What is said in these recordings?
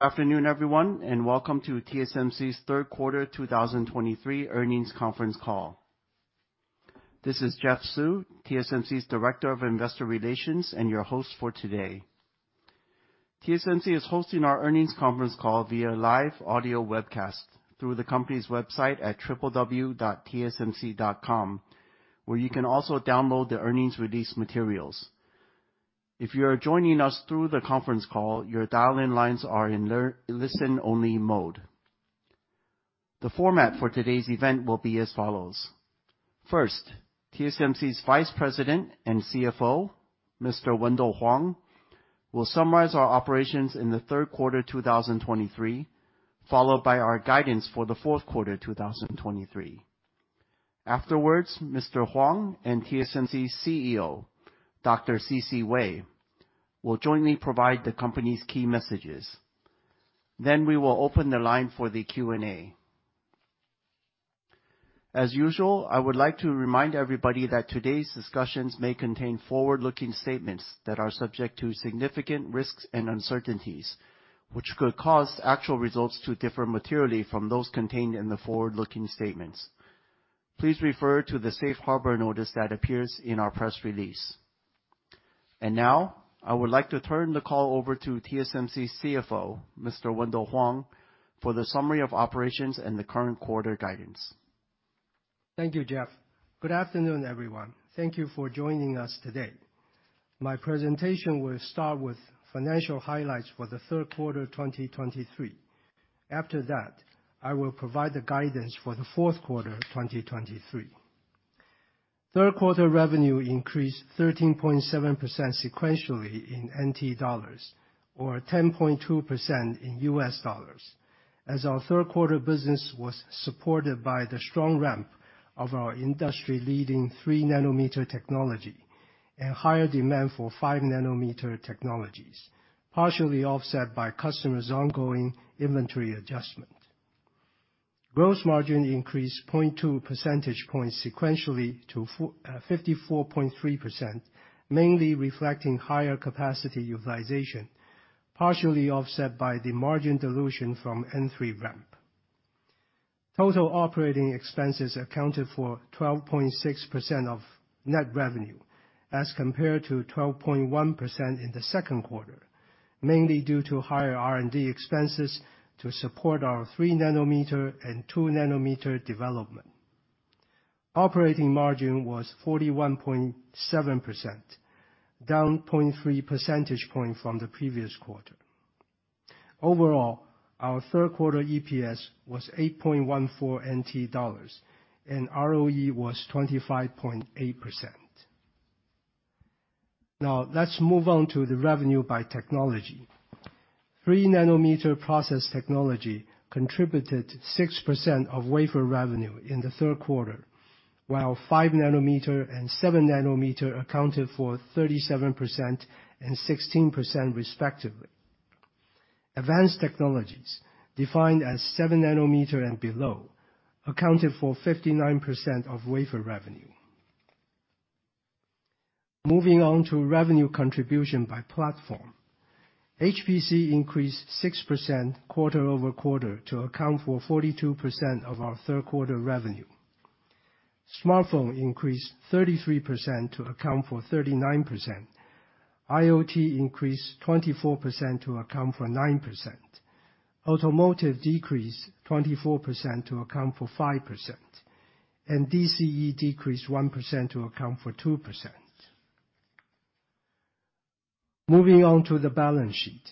Good afternoon, everyone, and welcome to TSMC's third quarter 2023 earnings conference call. This is Jeff Su, TSMC's Director of Investor Relations, and your host for today. TSMC is hosting our earnings conference call via live audio webcast through the company's website at www.tsmc.com, where you can also download the earnings release materials. If you are joining us through the conference call, your dial-in lines are in listen-only mode. The format for today's event will be as follows: First, TSMC's Vice President and CFO, Mr. Wendell Huang, will summarize our operations in the third quarter 2023, followed by our guidance for the fourth quarter 2023. Afterwards, Mr. Huang and TSMC's CEO, Dr. C.C. Wei, will jointly provide the company's key messages. Then we will open the line for the Q&A. As usual, I would like to remind everybody that today's discussions may contain forward-looking statements that are subject to significant risks and uncertainties, which could cause actual results to differ materially from those contained in the forward-looking statements. Please refer to the safe harbor notice that appears in our press release. And now, I would like to turn the call over to TSMC's CFO, Mr. Wendell Huang, for the summary of operations and the current quarter guidance. Thank you, Jeff. Good afternoon, everyone. Thank you for joining us today. My presentation will start with financial highlights for the third quarter, 2023. After that, I will provide the guidance for the fourth quarter, 2023. Third quarter revenue increased 13.7% sequentially in NT dollars, or 10.2% in U.S. Dollars, as our third quarter business was supported by the strong ramp of our industry-leading three-nanometer technology and higher demand for five-nanometer technologies, partially offset by customers' ongoing inventory adjustment. Gross margin increased 0.2 percentage points sequentially to 54.3%, mainly reflecting higher capacity utilization, partially offset by the margin dilution from N3 ramp. Total operating expenses accounted for 12.6% of net revenue, as compared to 12.1% in the second quarter, mainly due to higher R&D expenses to support our 3nm and 2nm development. Operating margin was 41.7%, down 0.3 percentage point from the previous quarter. Overall, our third quarter EPS was 8.14 NT dollars, and ROE was 25.8%. Now, let's move on to the revenue by technology. 3nm process technology contributed 6% of wafer revenue in the third quarter, while 5nm and 7nm accounted for 37% and 16%, respectively. Advanced technologies, defined as 7nm and below, accounted for 59% of wafer revenue. Moving on to revenue contribution by platform. HPC increased 6% quarter-over-quarter to account for 42% of our third quarter revenue. Smartphone increased 33% to account for 39%. IoT increased 24% to account for 9%. Automotive decreased 24% to account for 5%, and DCE decreased 1% to account for 2%. Moving on to the balance sheet.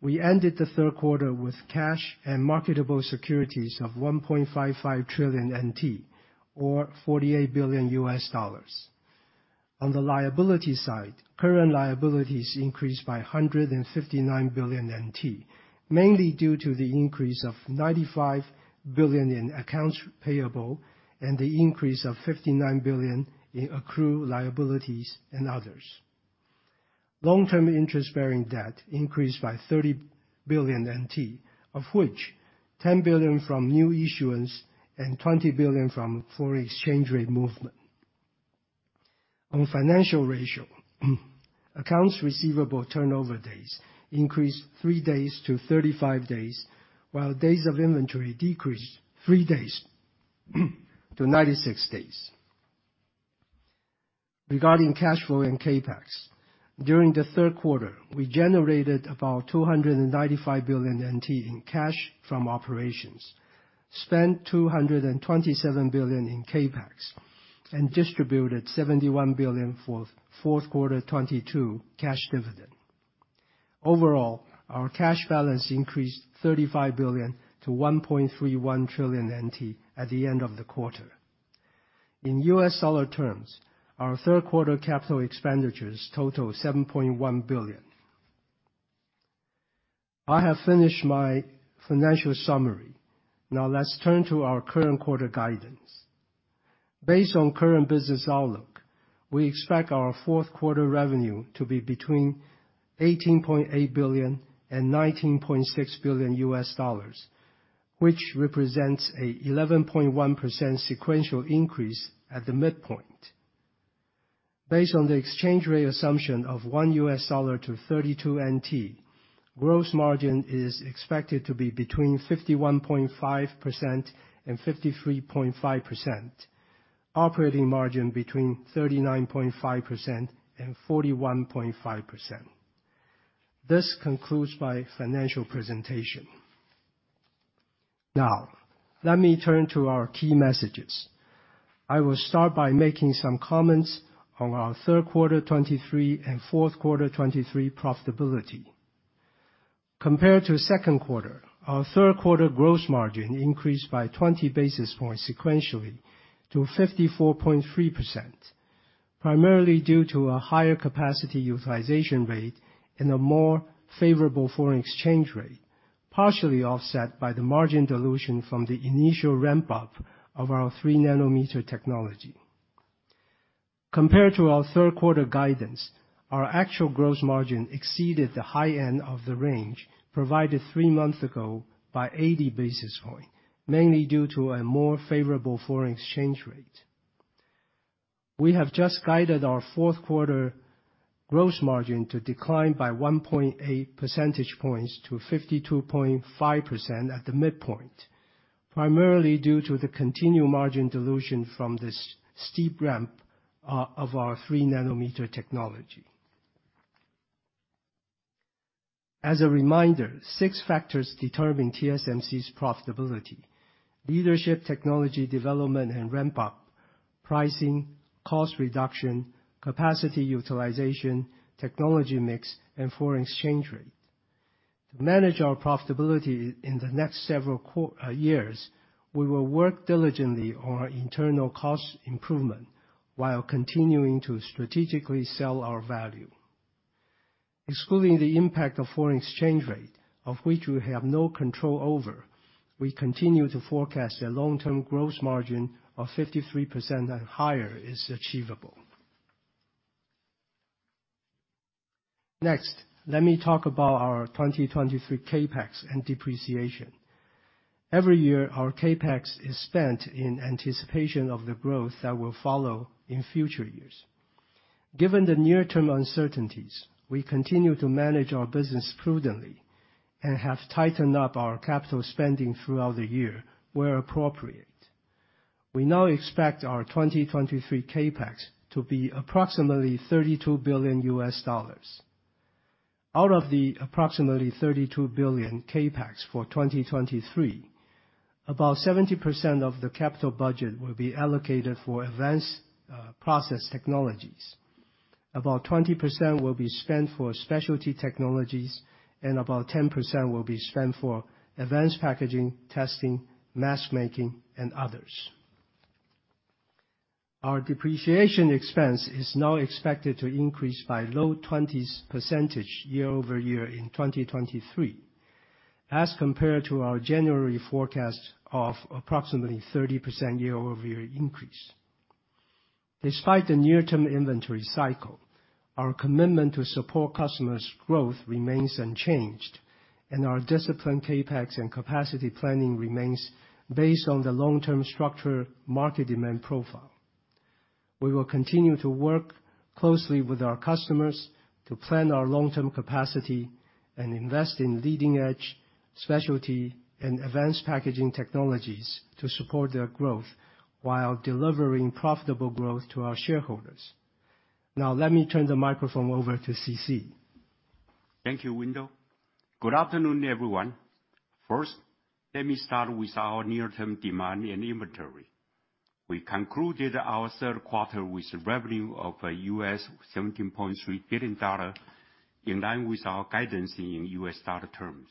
We ended the third quarter with cash and marketable securities of 1.55 trillion NT, or $48 billion. On the liability side, current liabilities increased by 159 billion NT, mainly due to the increase of 95 billion in accounts payable and the increase of 59 billion in accrued liabilities and others. Long-term interest-bearing debt increased by 30 billion NT, of which 10 billion from new issuance and 20 billion from foreign exchange rate movement. On financial ratio, accounts receivable turnover days increased three days to 35 days, while days of inventory decreased three days to 96 days. Regarding cash flow and CapEx, during the third quarter, we generated about 295 billion NT in cash from operations, spent 227 billion in CapEx, and distributed 71 billion for fourth quarter 2022 cash dividend. Overall, our cash balance increased 35 billion to 1.31 trillion NT at the end of the quarter. In U.S. dollar terms, our third quarter capital expenditures total $7.1 billion. I have finished my financial summary. Now, let's turn to our current quarter guidance. Based on current business outlook, we expect our fourth quarter revenue to be between $18.8 billion and $19.6 billion, which represents a 11.1% sequential increase at the midpoint. Based on the exchange rate assumption of $1 to 32 NT, gross margin is expected to be between 51.5% and 53.5%. Operating margin between 39.5% and 41.5%. This concludes my financial presentation. Now, let me turn to our key messages. I will start by making some comments on our third quarter 2023 and fourth quarter 2023 profitability. Compared to second quarter, our third quarter gross margin increased by 20 basis points sequentially to 54.3%, primarily due to a higher capacity utilization rate and a more favorable foreign exchange rate, partially offset by the margin dilution from the initial ramp-up of our 3nm technology. Compared to our third quarter guidance, our actual gross margin exceeded the high end of the range, provided three months ago by 80 basis points, mainly due to a more favorable foreign exchange rate. We have just guided our fourth quarter gross margin to decline by 1.8 percentage points to 52.5% at the midpoint, primarily due to the continued margin dilution from the steep ramp of our three-nanometer technology. As a reminder, six factors determine TSMC's profitability: leadership, technology development and ramp-up, pricing, cost reduction, capacity utilization, technology mix, and foreign exchange rate. To manage our profitability in the next several years, we will work diligently on our internal cost improvement, while continuing to strategically sell our value. Excluding the impact of foreign exchange rate, of which we have no control over, we continue to forecast a long-term gross margin of 53% and higher is achievable. Next, let me talk about our 2023 CapEx and depreciation. Every year, our CapEx is spent in anticipation of the growth that will follow in future years. Given the near-term uncertainties, we continue to manage our business prudently, and have tightened up our capital spending throughout the year where appropriate. We now expect our 2023 CapEx to be approximately $32 billion. Out of the approximately $32 billion CapEx for 2023, about 70% of the capital budget will be allocated for advanced process technologies. About 20% will be spent for specialty technologies, and about 10% will be spent for advanced packaging, testing, mask making, and others. Our depreciation expense is now expected to increase by low 20s percentage year-over-year in 2023, as compared to our January forecast of approximately 30% year-over-year increase. Despite the near-term inventory cycle, our commitment to support customers' growth remains unchanged, and our disciplined CapEx and capacity planning remains based on the long-term structural market demand profile. We will continue to work closely with our customers to plan our long-term capacity and invest in leading-edge, specialty, and advanced packaging technologies to support their growth, while delivering profitable growth to our shareholders. Now, let me turn the microphone over to C.C. Thank you, Wendell. Good afternoon, everyone. First, let me start with our near-term demand and inventory. We concluded our third quarter with revenue of $17.3 billion, in line with our guidance in U.S. dollar terms.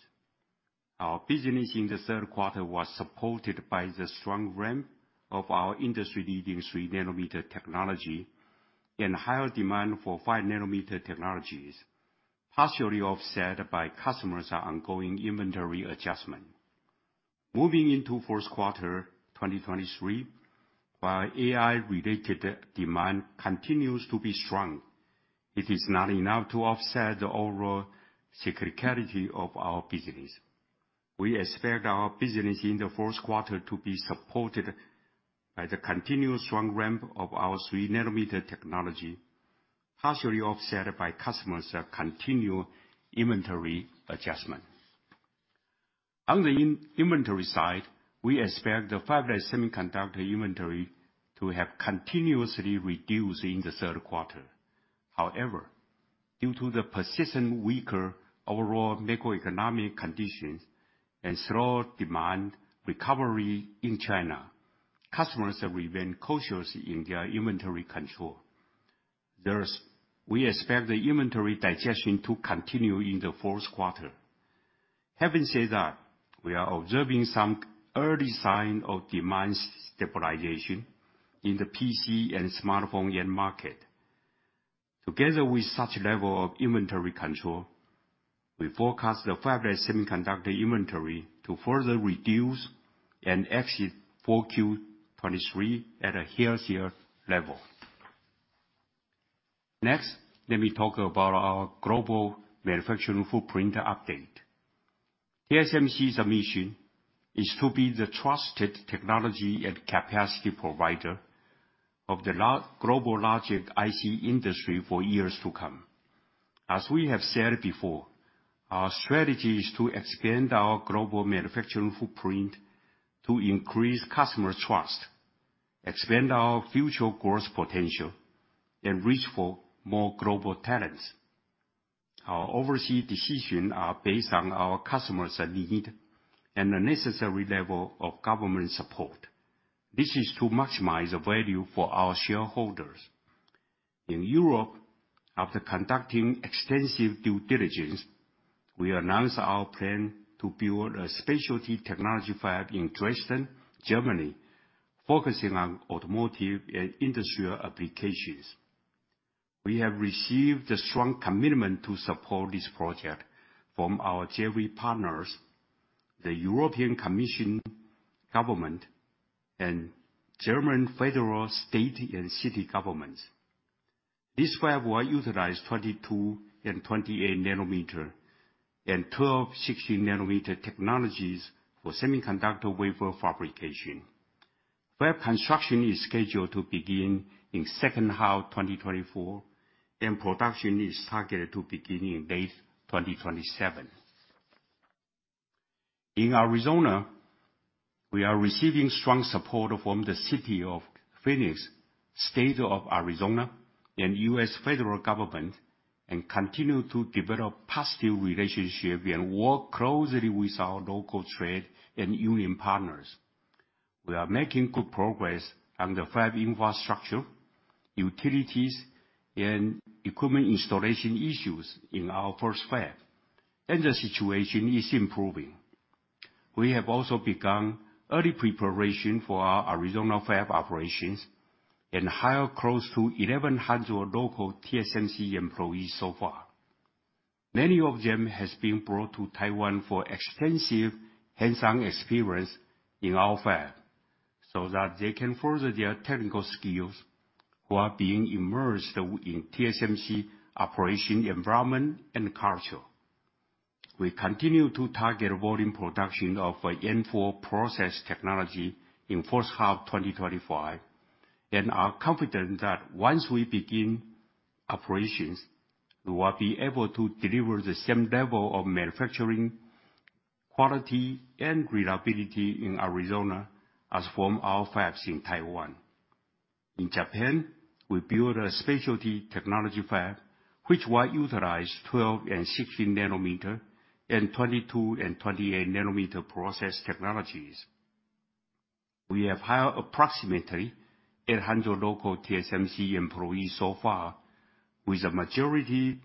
Our business in the third quarter was supported by the strong ramp of our industry-leading 3nm technology and higher demand for 5nm technologies, partially offset by customers' ongoing inventory adjustment. Moving into fourth quarter 2023, while AI-related demand continues to be strong, it is not enough to offset the overall cyclicality of our business. We expect our business in the fourth quarter to be supported by the continued strong ramp of our 3nm technology, partially offset by customers' continued inventory adjustment. On the inventory side, we expect the fabless semiconductor inventory to have continuously reduced in the third quarter. However, due to the persistent weaker overall macroeconomic conditions and slow demand recovery in China, customers have remained cautious in their inventory control. Thus, we expect the inventory digestion to continue in the fourth quarter. Having said that, we are observing some early signs of demand stabilization in the PC and smartphone end market. Together with such level of inventory control, we forecast the fabless semiconductor inventory to further reduce and exit 4Q 2023 at a healthier level. Next, let me talk about our global manufacturing footprint update. TSMC's mission is to be the trusted technology and capacity provider of the largest global logic IC industry for years to come. As we have said before, our strategy is to expand our global manufacturing footprint to increase customer trust, expand our future growth potential, and reach for more global talents. Our overseas decisions are based on our customers' need and the necessary level of government support. This is to maximize the value for our shareholders. In Europe, after conducting extensive due diligence, we announced our plan to build a specialty technology fab in Dresden, Germany, focusing on automotive and industrial applications. We have received a strong commitment to support this project from our JV partners, the European Commission government, and German federal, state, and city governments. This fab will utilize 22 and 28nm and 12 and 16-nm technologies for semiconductor wafer fabrication. Fab construction is scheduled to begin in second half 2024, and production is targeted to beginning in late 2027. In Arizona, we are receiving strong support from the City of Phoenix, State of Arizona, and U.S. federal government, and continue to develop positive relationship and work closely with our local trade and union partners. We are making good progress on the fab infrastructure, utilities, and equipment installation issues in our first fab, and the situation is improving. We have also begun early preparation for our Arizona fab operations and hire close to 1,100 local TSMC employees so far. Many of them has been brought to Taiwan for extensive hands-on experience in our fab, so that they can further their technical skills while being immersed in TSMC operation environment and culture. We continue to target volume production of a N4 process technology in first half 2025, and are confident that once we begin operations, we will be able to deliver the same level of manufacturing, quality, and reliability in Arizona as from our fabs in Taiwan. In Japan, we build a specialty technology fab, which will utilize 12 and 16nm and 22 and 28nm process technologies. We have hired approximately 800 local TSMC employees so far, with the majority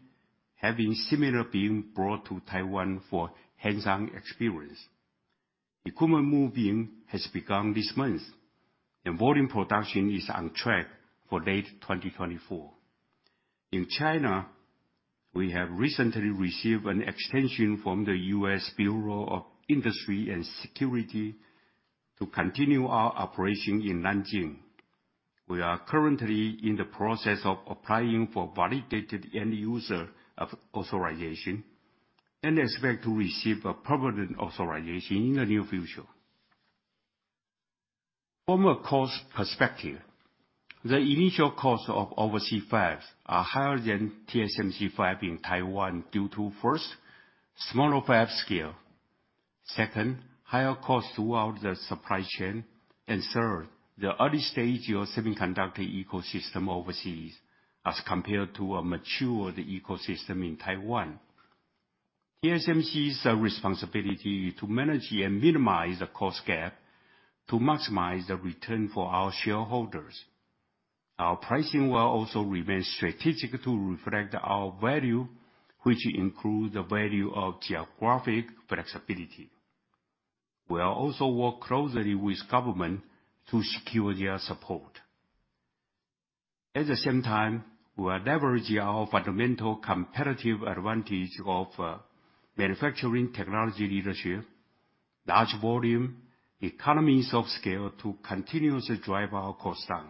having similar been brought to Taiwan for hands-on experience. Equipment moving has begun this month, and volume production is on track for late 2024. In China, we have recently received an extension from the U.S. Bureau of Industry and Security to continue our operation in Nanjing. We are currently in the process of applying for Validated End-User authorization, and expect to receive a permanent authorization in the near future. From a cost perspective, the initial cost of overseas fabs are higher than TSMC fab in Taiwan, due to, first, smaller fab scale. Second, higher costs throughout the supply chain. And third, the early stage of semiconductor ecosystem overseas, as compared to a matured ecosystem in Taiwan. TSMC's responsibility to manage and minimize the cost gap to maximize the return for our shareholders. Our pricing will also remain strategic to reflect our value, which includes the value of geographic flexibility. We'll also work closely with government to secure their support. At the same time, we are leveraging our fundamental competitive advantage of manufacturing technology leadership, large volume, economies of scale to continuously drive our cost down.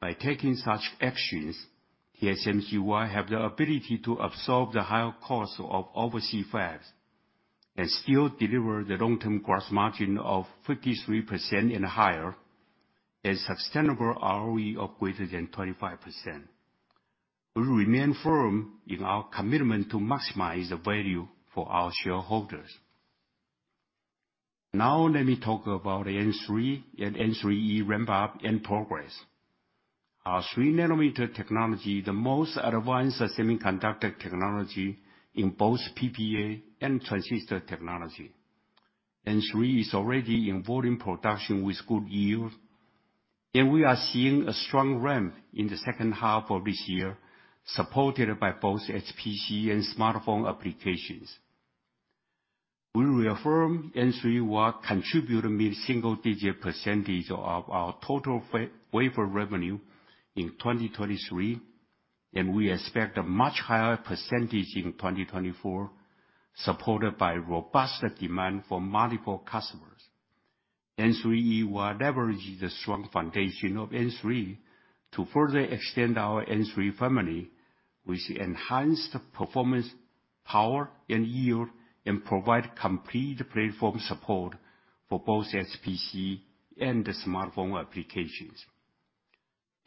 By taking such actions, TSMC will have the ability to absorb the higher cost of overseas fabs and still deliver the long-term gross margin of 53% and higher, and sustainable ROE of greater than 25%. We remain firm in our commitment to maximize the value for our shareholders. Now, let me talk about N3 and N3E ramp-up and progress. Our 3nm technology, the most advanced semiconductor technology in both PPA and transistor technology. N3 is already in volume production with good yield, and we are seeing a strong ramp in the second half of this year, supported by both HPC and smartphone applications. We reaffirm N3 will contribute mid-single-digit percentage of our total wafer revenue in 2023, and we expect a much higher percentage in 2024, supported by robust demand for multiple customers. N3E will leverage the strong foundation of N3 to further extend our N3 family with enhanced performance, power, and yield, and provide complete platform support for both HPC and the smartphone applications.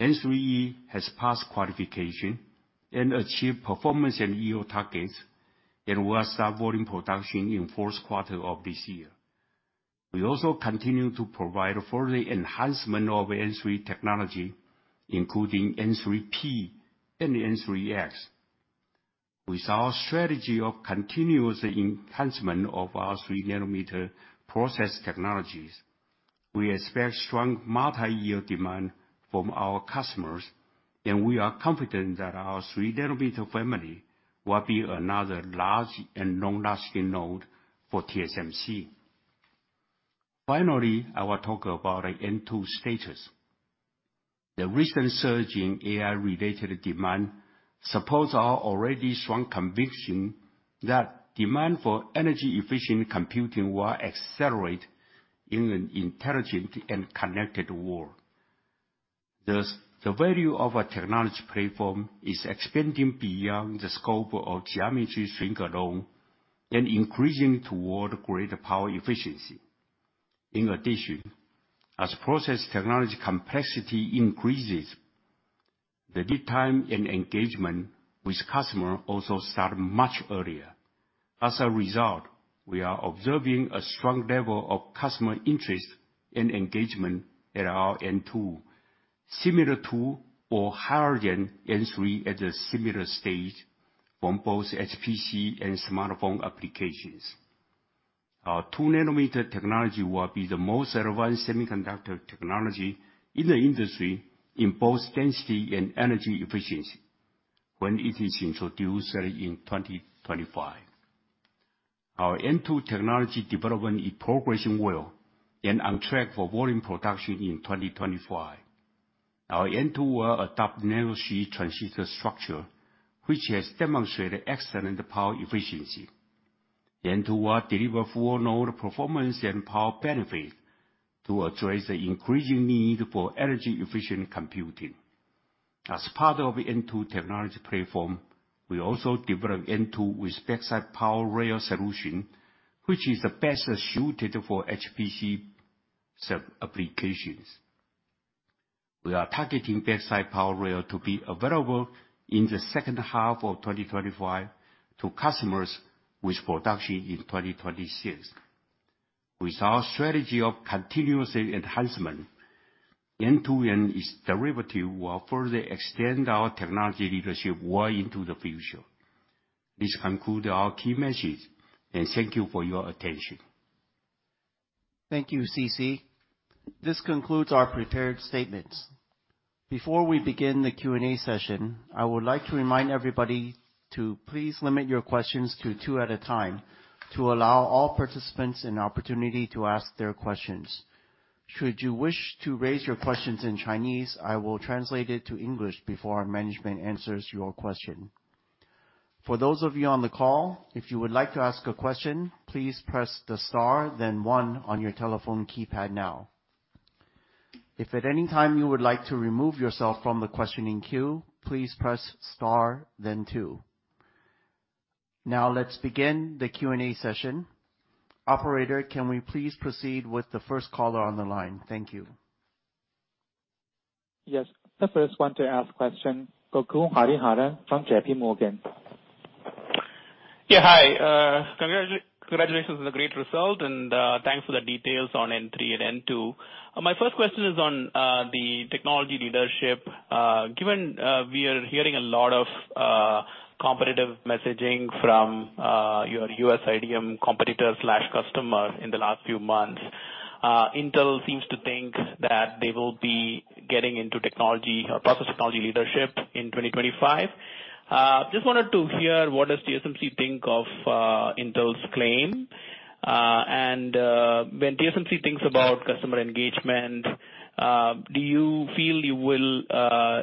N3E has passed qualification and achieved performance and yield targets, and will start volume production in fourth quarter of this year. We also continue to provide a further enhancement of N3 technology, including N3P and N3X. With our strategy of continuous enhancement of our 3nm process technologies, we expect strong multi-year demand from our customers, and we are confident that our 3nm family will be another large and long-lasting node for TSMC. Finally, I will talk about the N2 status. The recent surge in AI-related demand supports our already strong conviction that demand for energy-efficient computing will accelerate in an intelligent and connected world. Thus, the value of a technology platform is expanding beyond the scope of geometry shrink alone and increasing toward greater power efficiency. In addition, as process technology complexity increases, the lead time and engagement with customer also start much earlier. As a result, we are observing a strong level of customer interest and engagement at our N2, similar to or higher than N3 at a similar stage from both HPC and smartphone applications. Our 2nm technology will be the most advanced semiconductor technology in the industry, in both density and energy efficiency when it is introduced in 2025. Our N2 technology development is progressing well and on track for volume production in 2025. Our N2 will adopt nanosheet transistor structure, which has demonstrated excellent power efficiency. N2 will deliver full node performance and power benefit to address the increasing need for energy-efficient computing. As part of N2 technology platform, we also develop N2 with backside power via solution, which is the best suited for HPC sub-applications. We are targeting backside power via to be available in the second half of 2025 to customers with production in 2026. With our strategy of continuous enhancement, N2 and its derivative will further extend our technology leadership way into the future. This conclude our key message, and thank you for your attention. Thank you, C.C. This concludes our prepared statements. Before we begin the Q&A session, I would like to remind everybody to please limit your questions to two at a time, to allow all participants an opportunity to ask their questions. Should you wish to raise your questions in Chinese, I will translate it to English before management answers your question. For those of you on the call, if you would like to ask a question, please press the star then one on your telephone keypad now. If at any time you would like to remove yourself from the questioning queue, please press star then two. Now, let's begin the Q&A session. Operator, can we please proceed with the first caller on the line? Thank you. Yes, the first one to ask question, Gokul Hariharan from JPMorgan. Yeah, hi. Congratulations on the great result, and thanks for the details on N3 and N2. My first question is on the technology leadership. Given we are hearing a lot of competitive messaging from your U.S. IDM competitor/customer in the last few months, Intel seems to think that they will be getting into technology, or process technology leadership in 2025. Just wanted to hear, what does TSMC think of Intel's claim? And when TSMC thinks about customer engagement, do you feel you will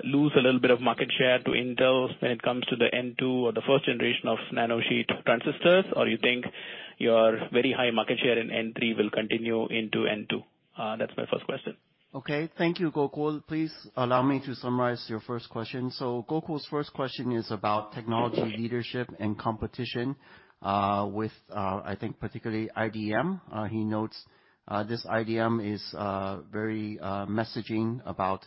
lose a little bit of market share to Intel when it comes to the N2 or the first generation of nanosheet transistors? Or you think your very high market share in N3 will continue into N2? That's my first question. Okay, thank you, Gokul. Please allow me to summarize your first question. So Gokul's first question is about technology leadership and competition, with, I think particularly IDM. He notes, this IDM is very messaging about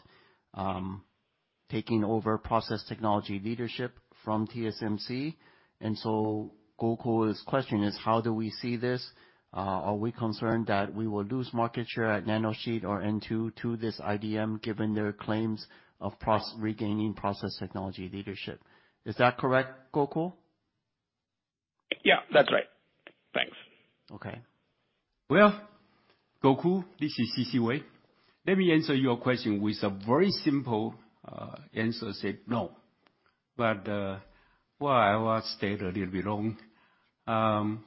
taking over process technology leadership from TSMC. And so Gokul's question is: How do we see this? Are we concerned that we will lose market share at nanosheet or N2 to this IDM, given their claims of regaining process technology leadership? Is that correct, Gokul? Yeah, that's right. Thanks. Okay. Well, Gokul, this is C.C. Wei. Let me answer your question with a very simple answer. Say no. But, well, I will stay a little bit long.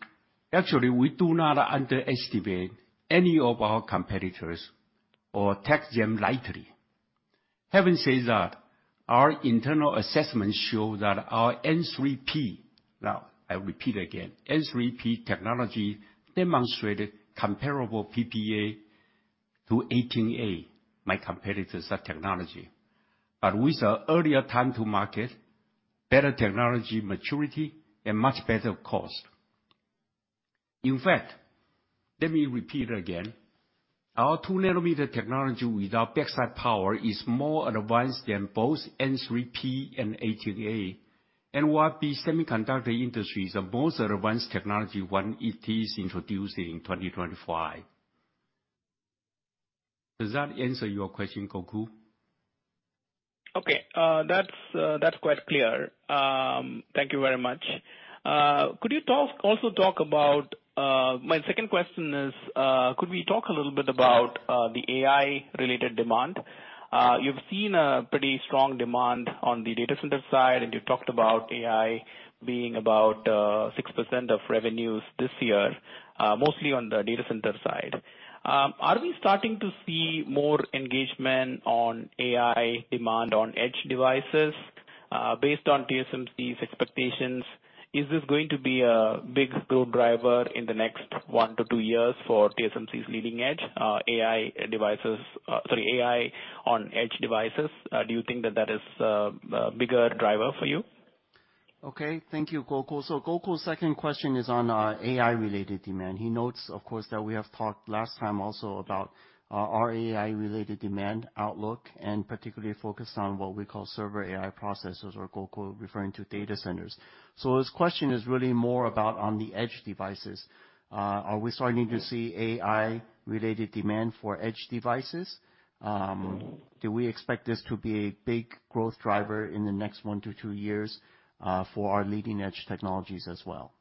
Actually, we do not underestimate any of our competitors or take them lightly. Having said that, our internal assessment shows that our N3P, now, I repeat again, N3P technology demonstrated comparable PPA to 18A, my competitor's technology. But with an earlier time to market, better technology maturity, and much better cost. In fact, let me repeat again, our 2nm technology without backside power is more advanced than both N3P and 18A, and will be the semiconductor industry's most advanced technology when it is introduced in 2025. Does that answer your question, Gokul? Okay, that's, that's quite clear. Thank you very much. Could you talk, also talk about... My second question is, could we talk a little bit about the AI-related demand? You've seen a pretty strong demand on the data center side, and you've talked about AI being about 6% of revenues this year, mostly on the data center side. Are we starting to see more engagement on AI demand on edge devices? Based on TSMC's expectations, is this going to be a big growth driver in the next one to two years for TSMC's leading edge AI devices, sorry, AI on edge devices? Do you think that that is a bigger driver for you? Okay, thank you, Gokul. So Gokul's second question is on AI-related demand. He notes, of course, that we have talked last time also about our AI-related demand outlook, and particularly focused on what we call server AI processors, or Gokul referring to data centers. So his question is really more about on the edge devices. Are we starting to see AI-related demand for edge devices? Do we expect this to be a big growth driver in the next one to two years for our leading-edge technologies as well?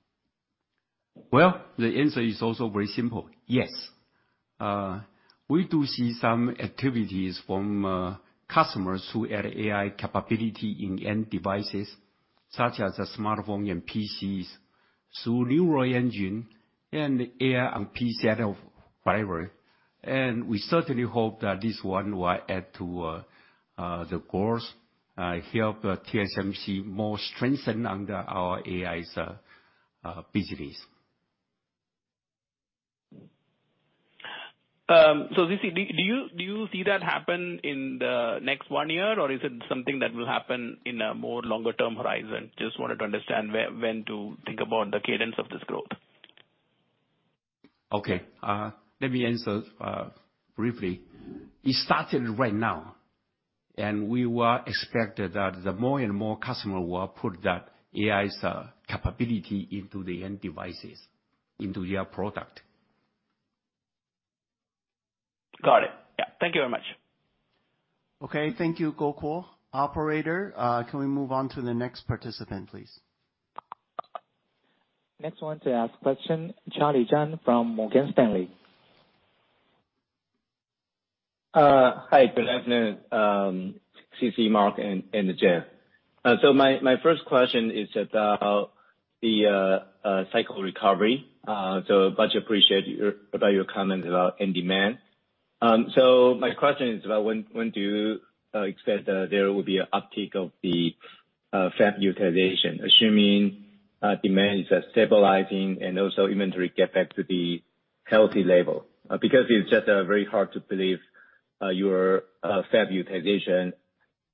Well, the answer is also very simple: Yes. We do see some activities from customers who add AI capability in end devices such as a smartphone and PCs, through neural engine and AI on PC, whatever. And we certainly hope that this one will add to the growth, help TSMC more strengthen under our AI's business. So, C.C., do you see that happen in the next one year, or is it something that will happen in a more longer term horizon? Just wanted to understand where, when to think about the cadence of this growth. Okay, let me answer briefly. It started right now, and we were expected that the more and more customer will put that AI's capability into the end devices, into their product. Got it. Yeah. Thank you very much. Okay. Thank you, Gokul. Operator, can we move on to the next participant, please? Next one to ask question, Charlie Chan from Morgan Stanley. Hi, good afternoon, C.C., Mark, and Jeff. So my first question is about the cycle recovery. So much appreciate your comments about end demand. So my question is about when do you expect there will be an uptick of the fab utilization, assuming demand is stabilizing and also inventory get back to the healthy level? Because it's just very hard to believe your fab utilization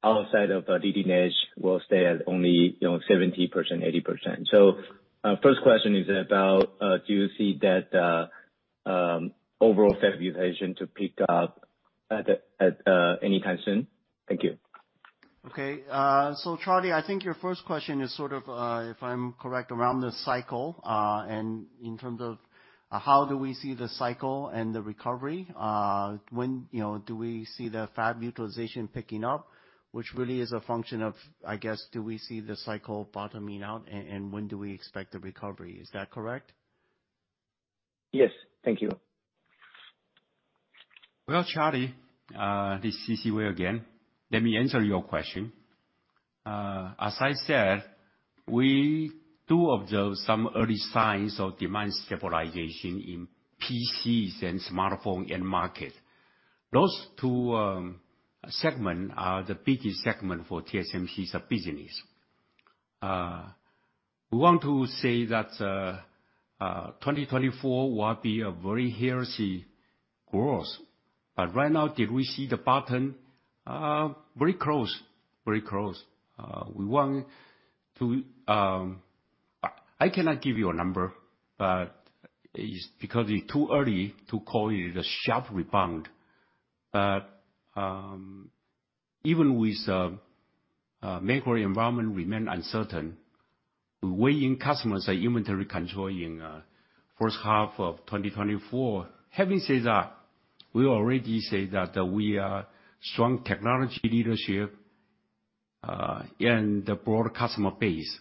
outside of leading edge will stay at only, you know, 70%, 80%. So first question is about do you see that overall fab utilization to pick up at any time soon? Thank you. Okay. So Charlie, I think your first question is sort of, if I'm correct, around the cycle, and in terms of, how do we see the cycle and the recovery? When, you know, do we see the fab utilization picking up, which really is a function of, I guess, do we see the cycle bottoming out, and, and when do we expect the recovery? Is that correct? Yes. Thank you. Well, Charlie, this is C.C. Wei again. Let me answer your question. As I said, we do observe some early signs of demand stabilization in PCs and smartphone end market. Those two, segment are the biggest segment for TSMC's business. We want to say that, 2024 will be a very healthy growth. But right now, did we see the bottom? Very close. Very close. We want to, I cannot give you a number, but it's because it's too early to call it a sharp rebound. But, even with, memory environment remain uncertain, we in customers are inventory controlling, first half of 2024. Having said that, we already said that we are strong technology leadership, and a broad customer base.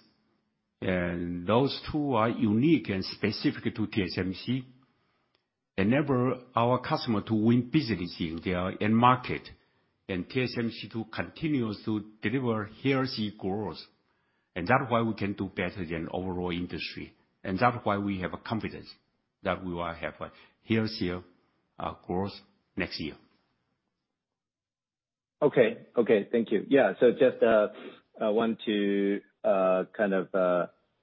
Those two are unique and specific to TSMC, enable our customer to win business in their end market, and TSMC to continues to deliver healthy growth. That's why we can do better than overall industry, and that's why we have a confidence that we will have a healthy growth next year. Okay. Okay, thank you. Yeah, so just, I want to, kind of,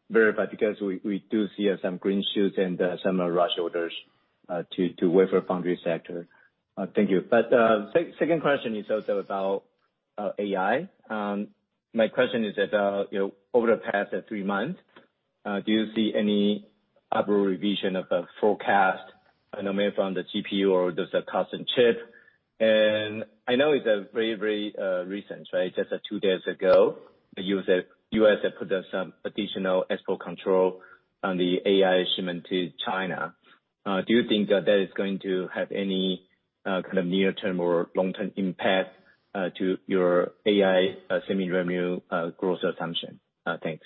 verify, because we do see some green shoots and, some rush orders, to wafer foundry sector. Thank you. But, second question is also about, AI. My question is that, you know, over the past, three months, do you see any upward revision of the forecast, you know, maybe from the GPU or just the custom chip? And I know it's a very, very, recent, right? Just, two days ago, the U.S. had put some additional export control on the AI shipment to China. Do you think that is going to have any, kind of near-term or long-term impact, to your AI, semi revenue, growth assumption? Thanks.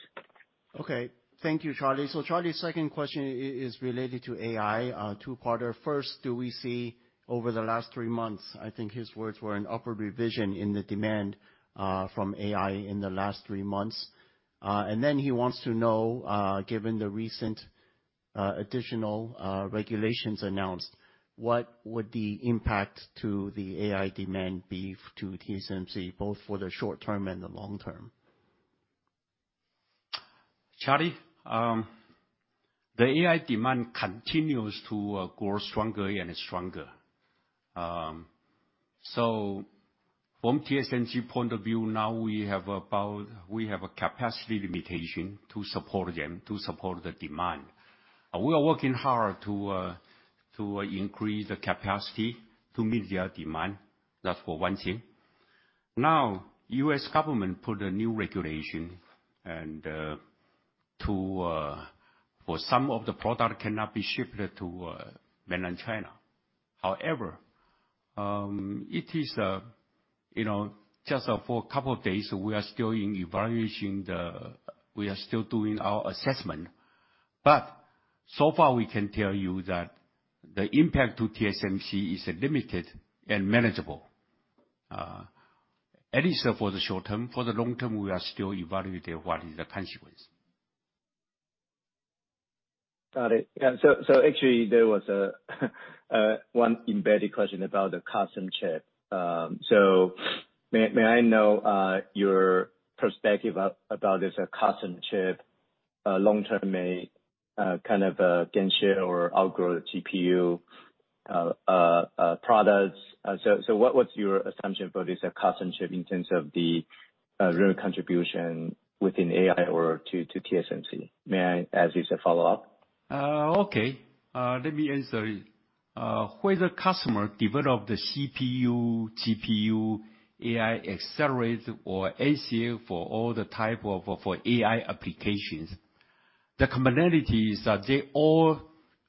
Okay. Thank you, Charlie. So Charlie's second question is related to AI, two-parter. First, do we see over the last three months... I think his words were: "an upward revision in the demand, from AI in the last three months." And then he wants to know, given the recent, additional, regulations announced, what would the impact to the AI demand be to TSMC, both for the short-term and the long-term? Charlie, the AI demand continues to grow stronger and stronger. So from TSMC point of view, now we have a capacity limitation to support them, to support the demand. We are working hard to increase the capacity to meet their demand. That's for one thing. Now, U.S. government put a new regulation, and... For some of the product cannot be shipped to mainland China. However, it is, you know, just for a couple of days, we are still in evaluating the-- we are still doing our assessment. But so far, we can tell you that the impact to TSMC is limited and manageable, at least for the short term. For the long-term, we are still evaluating what is the consequence. Got it. Yeah, so, so actually, there was a one embedded question about the custom chip. So may, may I know your perspective about, about this custom chip, long-term, may kind of gain share or outgrow GPU products? So, so what was your assumption for this custom chip in terms of the revenue contribution within AI or to TSMC? May I ask you as a follow-up? Okay. Let me answer it. Whether customer develop the CPU, GPU, AI accelerator, or ASIC for all the type of, for AI applications, the commonality is that they all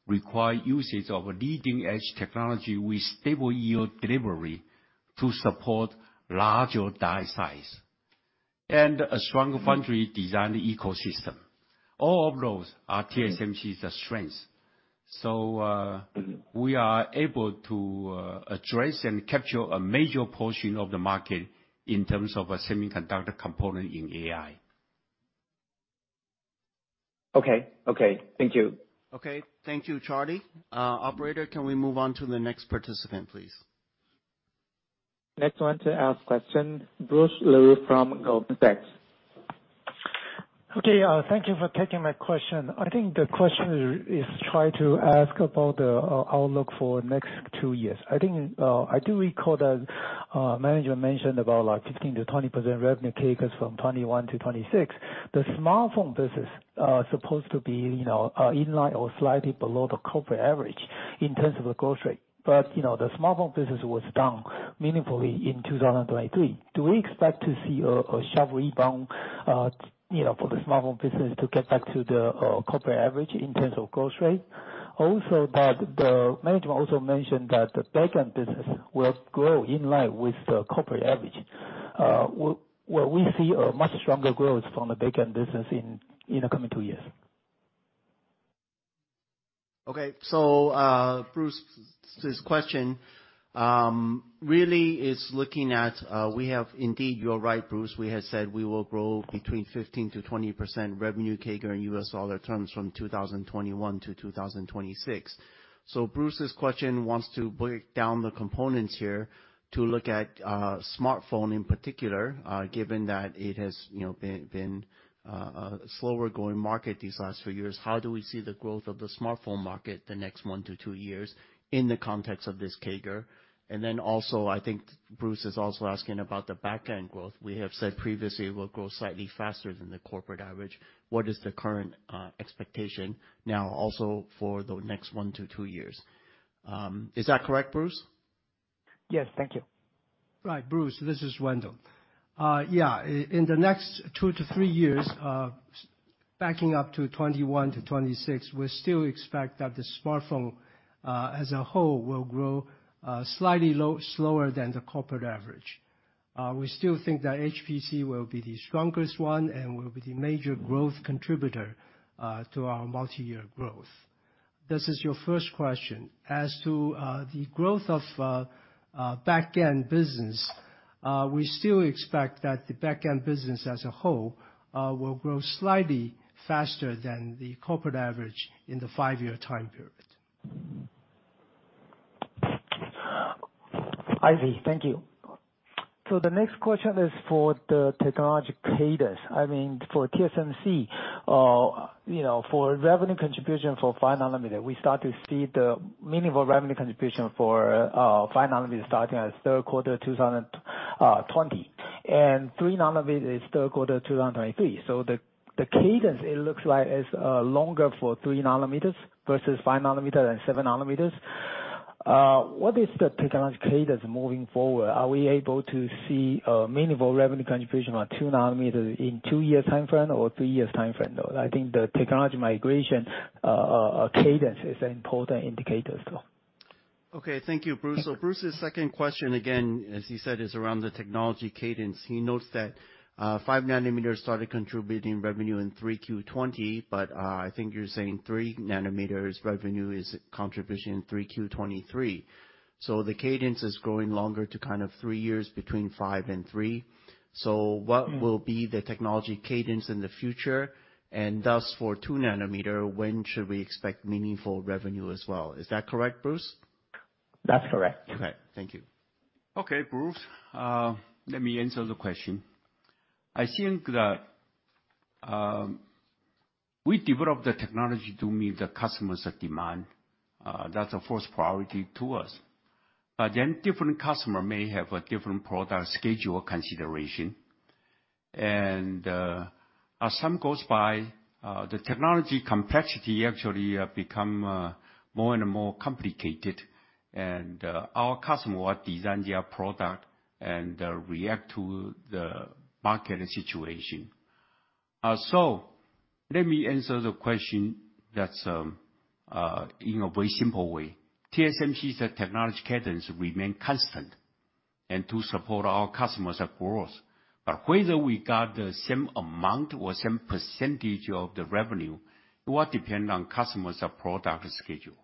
require usage of leading-edge technology with stable yield delivery to support larger die size, and a strong foundry design ecosystem. All of those are TSMC's strengths. So, we are able to address and capture a major portion of the market in terms of a semiconductor component in AI. Okay. Okay, thank you. Okay, thank you, Charlie. Operator, can we move on to the next participant, please? Next one to ask question, Bruce Lu from Goldman Sachs. Okay, thank you for taking my question. I think the question is, is try to ask about the, outlook for next two years. I think, I do recall that, management mentioned about like 15%-20% revenue CAGR from 2021 to 2026. The smartphone business, supposed to be, you know, in line or slightly below the corporate average in terms of the growth rate. But, you know, the smartphone business was down meaningfully in 2023. Do we expect to see a sharp rebound, you know, for the smartphone business to get back to the, corporate average in terms of growth rate? Also, that the management also mentioned that the backend business will grow in line with the corporate average. Will we see a much stronger growth from the backend business in the coming two years? Okay. So, Bruce's question really is looking at... We have indeed, you are right, Bruce, we had said we will grow between 15%-20% revenue CAGR in U.S. dollar terms from 2021 to 2026. So Bruce's question wants to break down the components here to look at smartphone in particular, given that it has, you know, been a slower growing market these last few years. How do we see the growth of the smartphone market the next one to two years in the context of this CAGR? And then also, I think Bruce is also asking about the backend growth. We have said previously it will grow slightly faster than the corporate average. What is the current expectation now also for the next one to two years? Is that correct, Bruce? Yes, thank you. Right. Bruce, this is Wendell. Yeah, in the next two to three years, backing up to 2021 to 2026, we still expect that the smartphone, as a whole, will grow slightly slower than the corporate average. We still think that HPC will be the strongest one and will be the major growth contributor to our multi-year growth. This is your first question. As to the growth of the backend business, we still expect that the backend business as a whole will grow slightly faster than the corporate average in the five-year time period. I see. Thank you. So the next question is for the technology cadence. I mean, for TSMC, you know, for revenue contribution for 5nm, we start to see the meaningful revenue contribution for 5nm starting at third quarter 2020, and 3nm is third quarter 2023. So the cadence, it looks like, is longer for 3nm versus 5nm and 7nm. What is the technology cadence moving forward? Are we able to see a meaningful revenue contribution on 2nm in two-year timeframe or three years timeframe, though? I think the technology migration cadence is an important indicator as well. Okay, thank you, Bruce. So Bruce's second question, again, as he said, is around the technology cadence. He notes that, 5nm started contributing revenue in 3Q 2020, but, I think you're saying 3nm revenue is contribution 3Q 2023. So the cadence is growing longer to kind of three years between 5nm and 3nm. So what will be the technology cadence in the future, and thus, for 2nm, when should we expect meaningful revenue as well? Is that correct, Bruce? That's correct. Okay, thank you. Okay, Bruce, let me answer the question. I think that we developed the technology to meet the customers' demand. That's a first priority to us. But then different customer may have a different product schedule consideration. And as time goes by, the technology complexity actually become more and more complicated, and our customer will design their product and react to the market situation. So let me answer the question that's in a very simple way. TSMC's technology cadence remain constant, and to support our customers' growth. But whether we got the same amount or same percentage of the revenue, it will depend on customers' product schedule.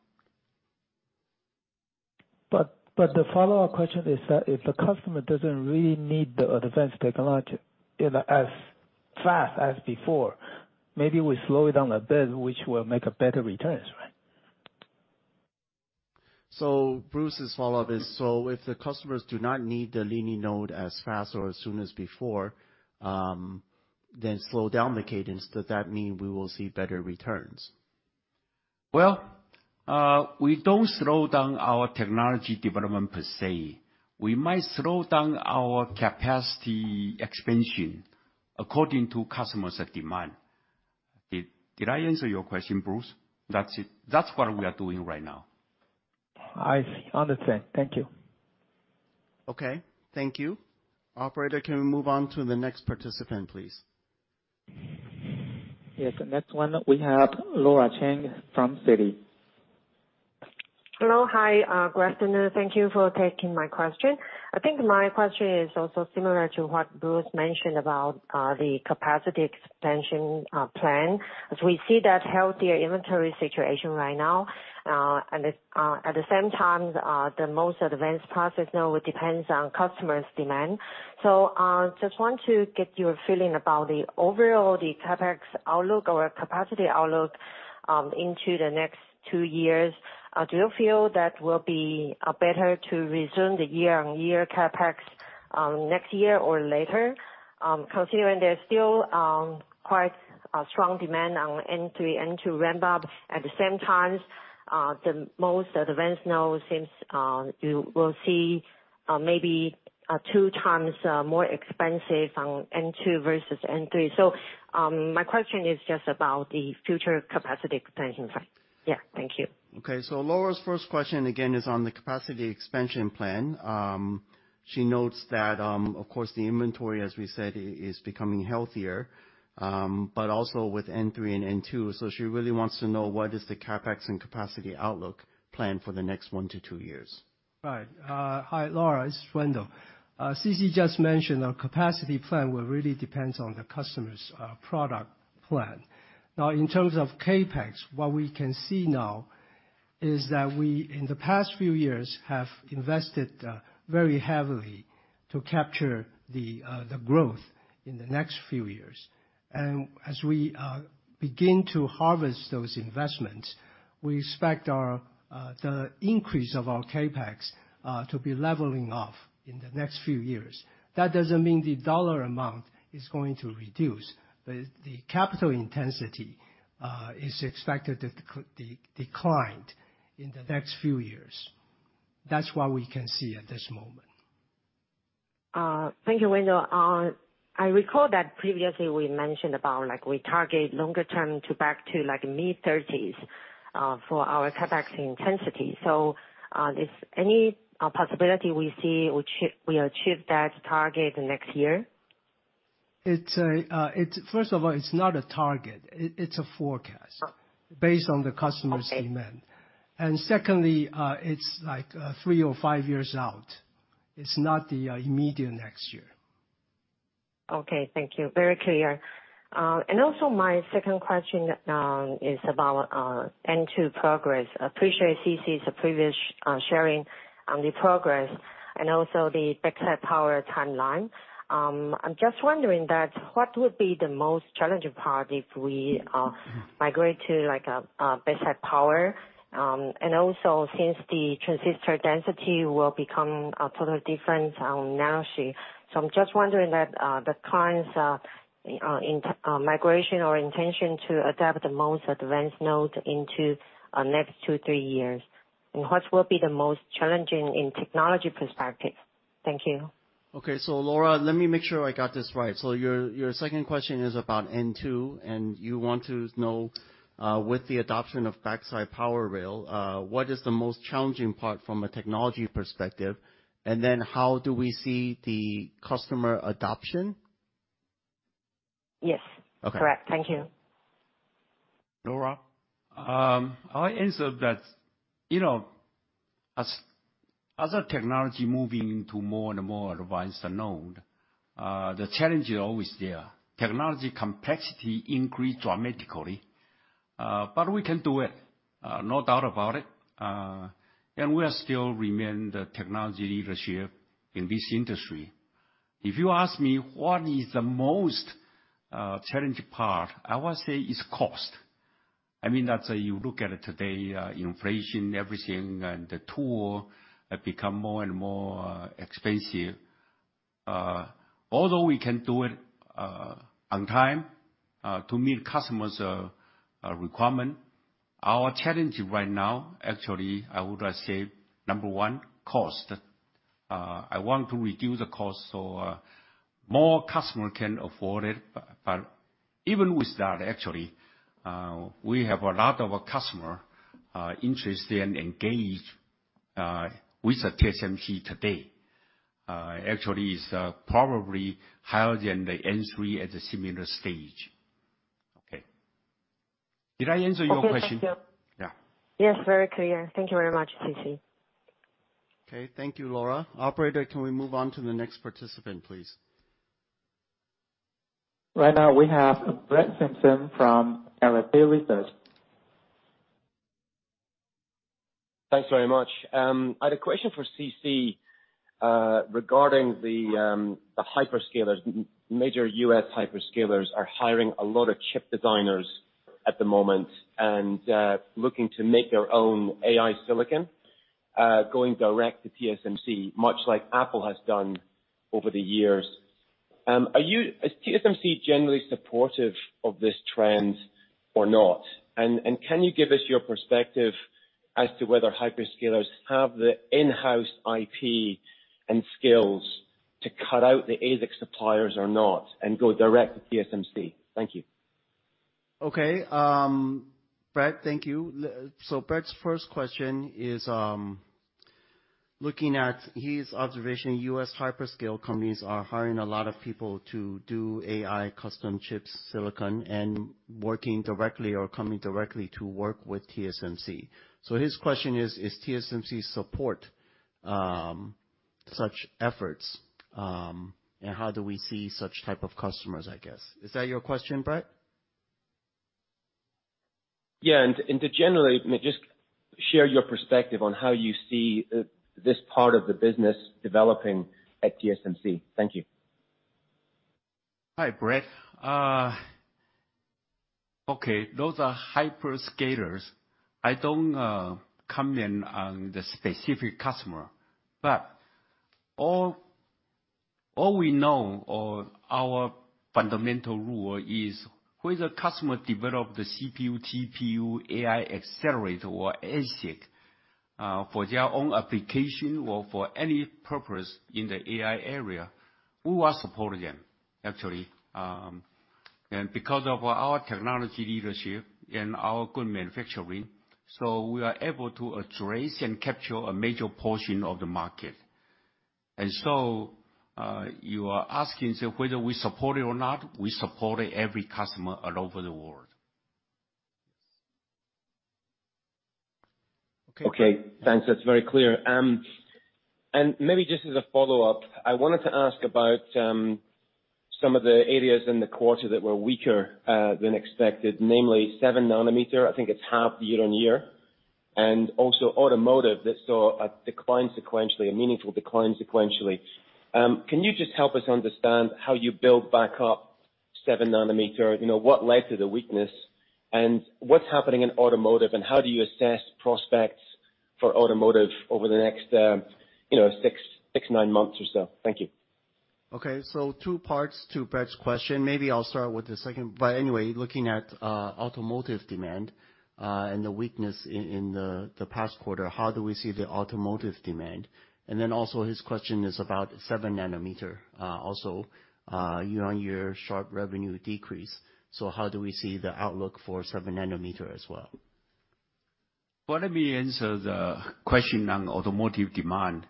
But the follow-up question is that, if the customer doesn't really need the advanced technology, you know, as fast as before, maybe we slow it down a bit, which will make a better returns, right? So Bruce's follow-up is, so if the customers do not need the leading node as fast or as soon as before, then slow down the cadence, does that mean we will see better returns? Well, we don't slow down our technology development per se. We might slow down our capacity expansion according to customers' demand. Did I answer your question, Bruce? That's it. That's what we are doing right now. I see. Understand. Thank you. Okay, thank you. Operator, can we move on to the next participant, please? Yes, the next one, we have Laura Chen from Citi. Hello. Hi, good afternoon. Thank you for taking my question. I think my question is also similar to what Bruce mentioned about the capacity expansion plan. As we see that healthier inventory situation right now, and at the same time, the most advanced process now depends on customers' demand. So, just want to get your feeling about the overall, the CapEx outlook or capacity outlook into the next two years. Do you feel that will be better to resume the year-on-year CapEx next year or later, considering there's still quite a strong demand on N3, N2 ramp-up? At the same time, the most advanced now seems you will see maybe two times more expensive on N2 versus N3. So, my question is just about the future capacity expansion plan. Yeah, thank you. Okay, so Laura's first question, again, is on the capacity expansion plan. She notes that, of course, the inventory, as we said, is becoming healthier, but also with N3 and N2. So she really wants to know what is the CapEx and capacity outlook plan for the next one to two years. Right. Hi, Laura, it's Wendell. C.C. just mentioned our capacity plan will really depends on the customer's product plan. Now, in terms of CapEx, what we can see now is that we, in the past few years, have invested very heavily to capture the growth in the next few years. And as we begin to harvest those investments, we expect the increase of our CapEx to be leveling off in the next few years. That doesn't mean the dollar amount is going to reduce, but the capital intensity is expected to decline in the next few years. That's what we can see at this moment. Thank you, Wendell. I recall that previously we mentioned about, like, we target longer-term to back to, like, mid-30s for our CapEx intensity. So, is any possibility we see which we achieve that target next year? It's, first of all, it's not a target. It, it's a forecast- Okay. based on the customer's demand. And secondly, it's like, three or five years out. It's not the immediate next year. Okay, thank you. Very clear. And also my second question is about N2 progress. Appreciate C.C.'s previous sharing on the progress and also the backside power timeline. I'm just wondering that what would be the most challenging part if we migrate to, like, a backside power? And also, since the transistor density will become totally different on nanosheet. So I'm just wondering that the clients in migration or intention to adapt the most advanced node into next two, three years. And what will be the most challenging in technology perspective? Thank you. Okay, so Laura, let me make sure I got this right. So your second question is about N2, and you want to know, with the adoption of backside power rail, what is the most challenging part from a technology perspective, and then how do we see the customer adoption? Yes. Okay. Correct. Thank you. Laura, I answer that, you know, as a technology moving into more and more advanced node, the challenge is always there. Technology complexity increased dramatically, but we can do it, no doubt about it. And we are still remain the technology leadership in this industry. If you ask me what is the most challenging part, I would say it's cost. I mean, that's you look at it today, inflation, everything, and the tool have become more and more expensive. Although we can do it on time to meet customers requirement, our challenge right now, actually, I would say, number one, cost. I want to reduce the cost so more customer can afford it. But even with that, actually, we have a lot of customer interested and engaged with the TSMC today. Actually, probably higher than the N3 at a similar stage. Okay. Did I answer your question? Okay. Thank you. Yeah. Yes, very clear. Thank you very much, C.C. Okay, thank you, Laura. Operator, can we move on to the next participant, please? Right now, we have Brett Simpson from Arete Research. Thanks very much. I had a question for C.C., regarding the hyperscalers. Major U.S. hyperscalers are hiring a lot of chip designers at the moment, and looking to make their own AI silicon, going direct to TSMC, much like Apple has done over the years. Is TSMC generally supportive of this trend or not? And can you give us your perspective as to whether hyperscalers have the in-house IP and skills to cut out the ASIC suppliers or not, and go direct to TSMC? Thank you. Okay. Brett, thank you. So Brett's first question is, looking at his observation, U.S. hyperscale companies are hiring a lot of people to do AI custom chips, silicon, and working directly or coming directly to work with TSMC. So his question is, "Does TSMC support such efforts? And how do we see such type of customers, I guess?" Is that your question, Brett? Yeah, generally, just share your perspective on how you see this part of the business developing at TSMC. Thank you. Hi, Brett. Okay, those are hyperscalers. I don't comment on the specific customer, but all, all we know or our fundamental rule is, whether customer develop the CPU, TPU, AI accelerator, or ASIC, for their own application or for any purpose in the AI area, we will support them, actually. And because of our technology leadership and our good manufacturing, so we are able to address and capture a major portion of the market. And so, you are asking, so whether we support it or not, we support every customer all over the world. Okay, thanks. That's very clear. And maybe just as a follow-up, I wanted to ask about some of the areas in the quarter that were weaker than expected, namely 7nm. I think it's half year-on-year, and also automotive that saw a decline sequentially, a meaningful decline sequentially. Can you just help us understand how you build back up 7nm? You know, what led to the weakness, and what's happening in automotive, and how do you assess prospects for automotive over the next, you know, six to nine months or so? Thank you. Okay, so two parts to Brett's question. Maybe I'll start with the second. But anyway, looking at automotive demand and the weakness in the past quarter, how do we see the automotive demand? And then also his question is about 7nm, also year-on-year, sharp revenue decrease. So how do we see the outlook for 7nm as well? Well, let me answer the question on automotive demand.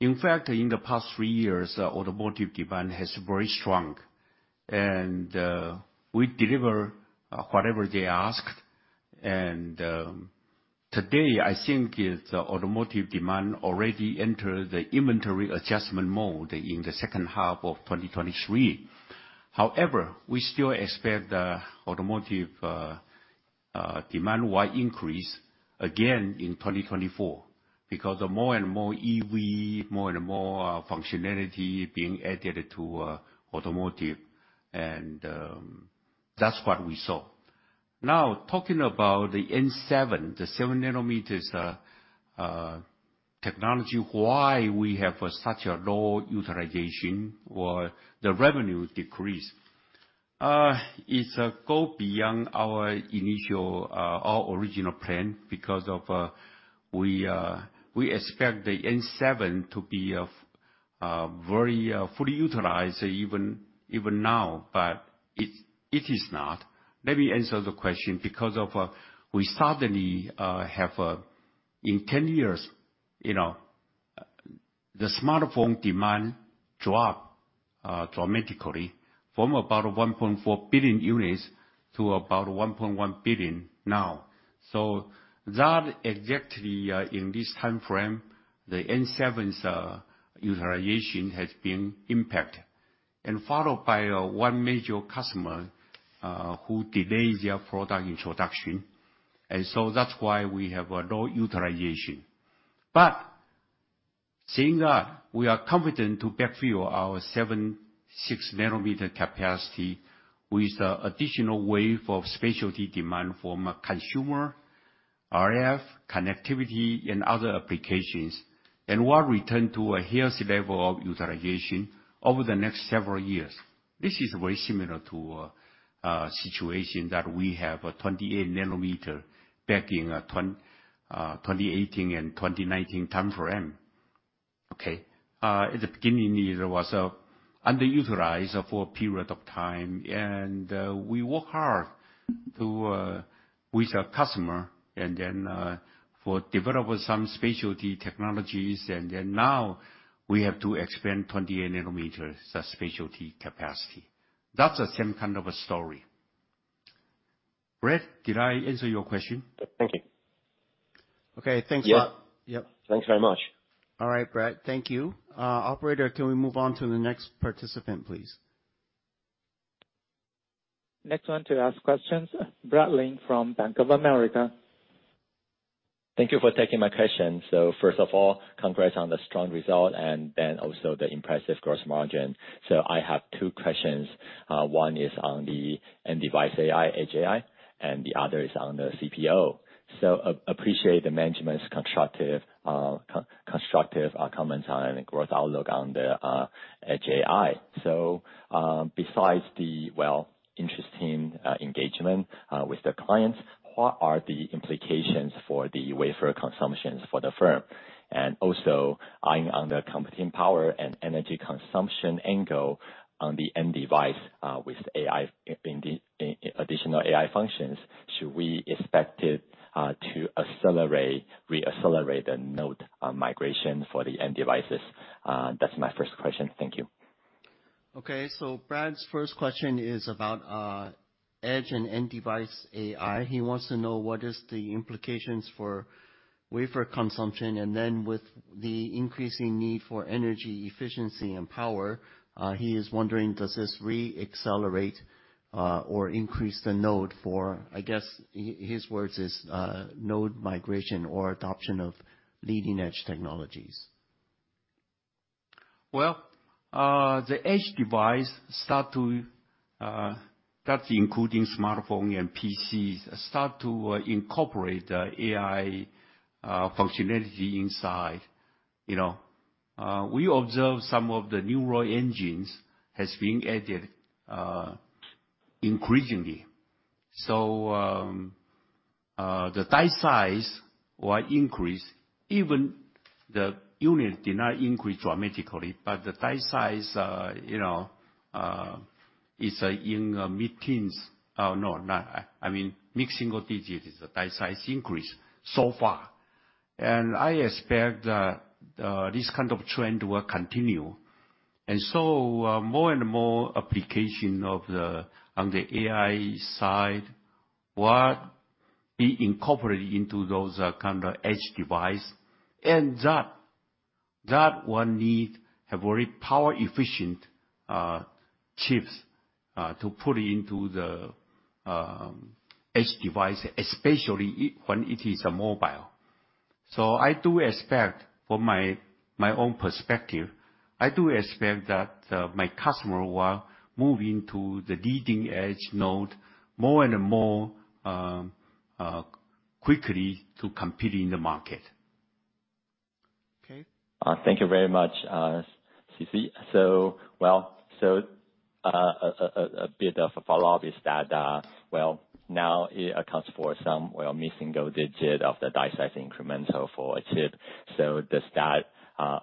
In fact, in the past three years, automotive demand has very strong, and we deliver whatever they ask, and today, I think it, the automotive demand already entered the inventory adjustment mode in the second half of 2023. However, we still expect the automotive demand wide increase again in 2024, because the more and more EV, more and more functionality being added to automotive, and that's what we saw. Now, talking about the N7, the 7nm technology, why we have such a low utilization or the revenue decrease? It's go beyond our initial, our original plan because of we expect the N7 to be very fully utilized even now, but it is not. Let me answer the question, because we suddenly have, in 10 years, you know, the smartphone demand dropped dramatically from about 1.4 billion units to about 1.1 billion now. So that exactly, in this time frame, the N7's utilization has been impacted, and followed by one major customer who delayed their product introduction. And so that's why we have a low utilization. But seeing that, we are confident to backfill our 7, 6nm capacity with the additional wave of specialty demand from a consumer, RF, connectivity, and other applications, and will return to a healthy level of utilization over the next several years. This is very similar to a situation that we have a 28nm back in 2018 and 2019 timeframe. Okay, at the beginning, it was underutilized for a period of time, and we worked hard to with our customer, and then for developing some specialty technologies, and then now we have to expand 28 nanometers, the specialty capacity. That's the same kind of a story. Brad, did I answer your question? Thank you. Okay, thanks a lot. Yep. Yep. Thanks very much. All right, Brad, thank you. Operator, can we move on to the next participant, please? Next one to ask questions, Brad Lin from Bank of America. Thank you for taking my question. So first of all, congrats on the strong result, and then also the impressive gross margin. So I have two questions. One is on the end device AI, edge AI, and the other is on the CPO. So appreciate the management's constructive comments on growth outlook on the edge AI. So, besides the well, interesting engagement with the clients, what are the implications for the wafer consumptions for the firm? And also, on the computing power and energy consumption angle on the end device with AI, in the additional AI functions, should we expect it to reaccelerate the node migration for the end devices? That's my first question. Thank you. Okay, so Brad's first question is about edge and end device AI. He wants to know what is the implications for wafer consumption, and then with the increasing need for energy efficiency and power, he is wondering, does this re-accelerate or increase the node for... I guess, his words is, node migration or adoption of leading-edge technologies. Well, the edge device start to, that's including smartphone and PCs, start to incorporate the AI functionality inside. You know, we observe some of the neural engines has been added increasingly. So, the die size will increase, even the unit did not increase dramatically, but the die size, you know, is in mid-teens. No, not, I mean, mid-single digit is a die size increase so far. I expect that this kind of trend will continue. So, more and more application of the, on the AI side, will be incorporated into those, kind of edge device, and that, that one need have very power efficient, chips, to put into the, edge device, especially when it is a mobile. So I do expect, from my, my own perspective, I do expect that, my customer will move into the leading edge node more and more, quickly to compete in the market. Okay. Thank you very much, C.C. So, a bit of a follow-up is that, well, now it accounts for some, well, mid-single digit of the die size incremental for a chip. So does that,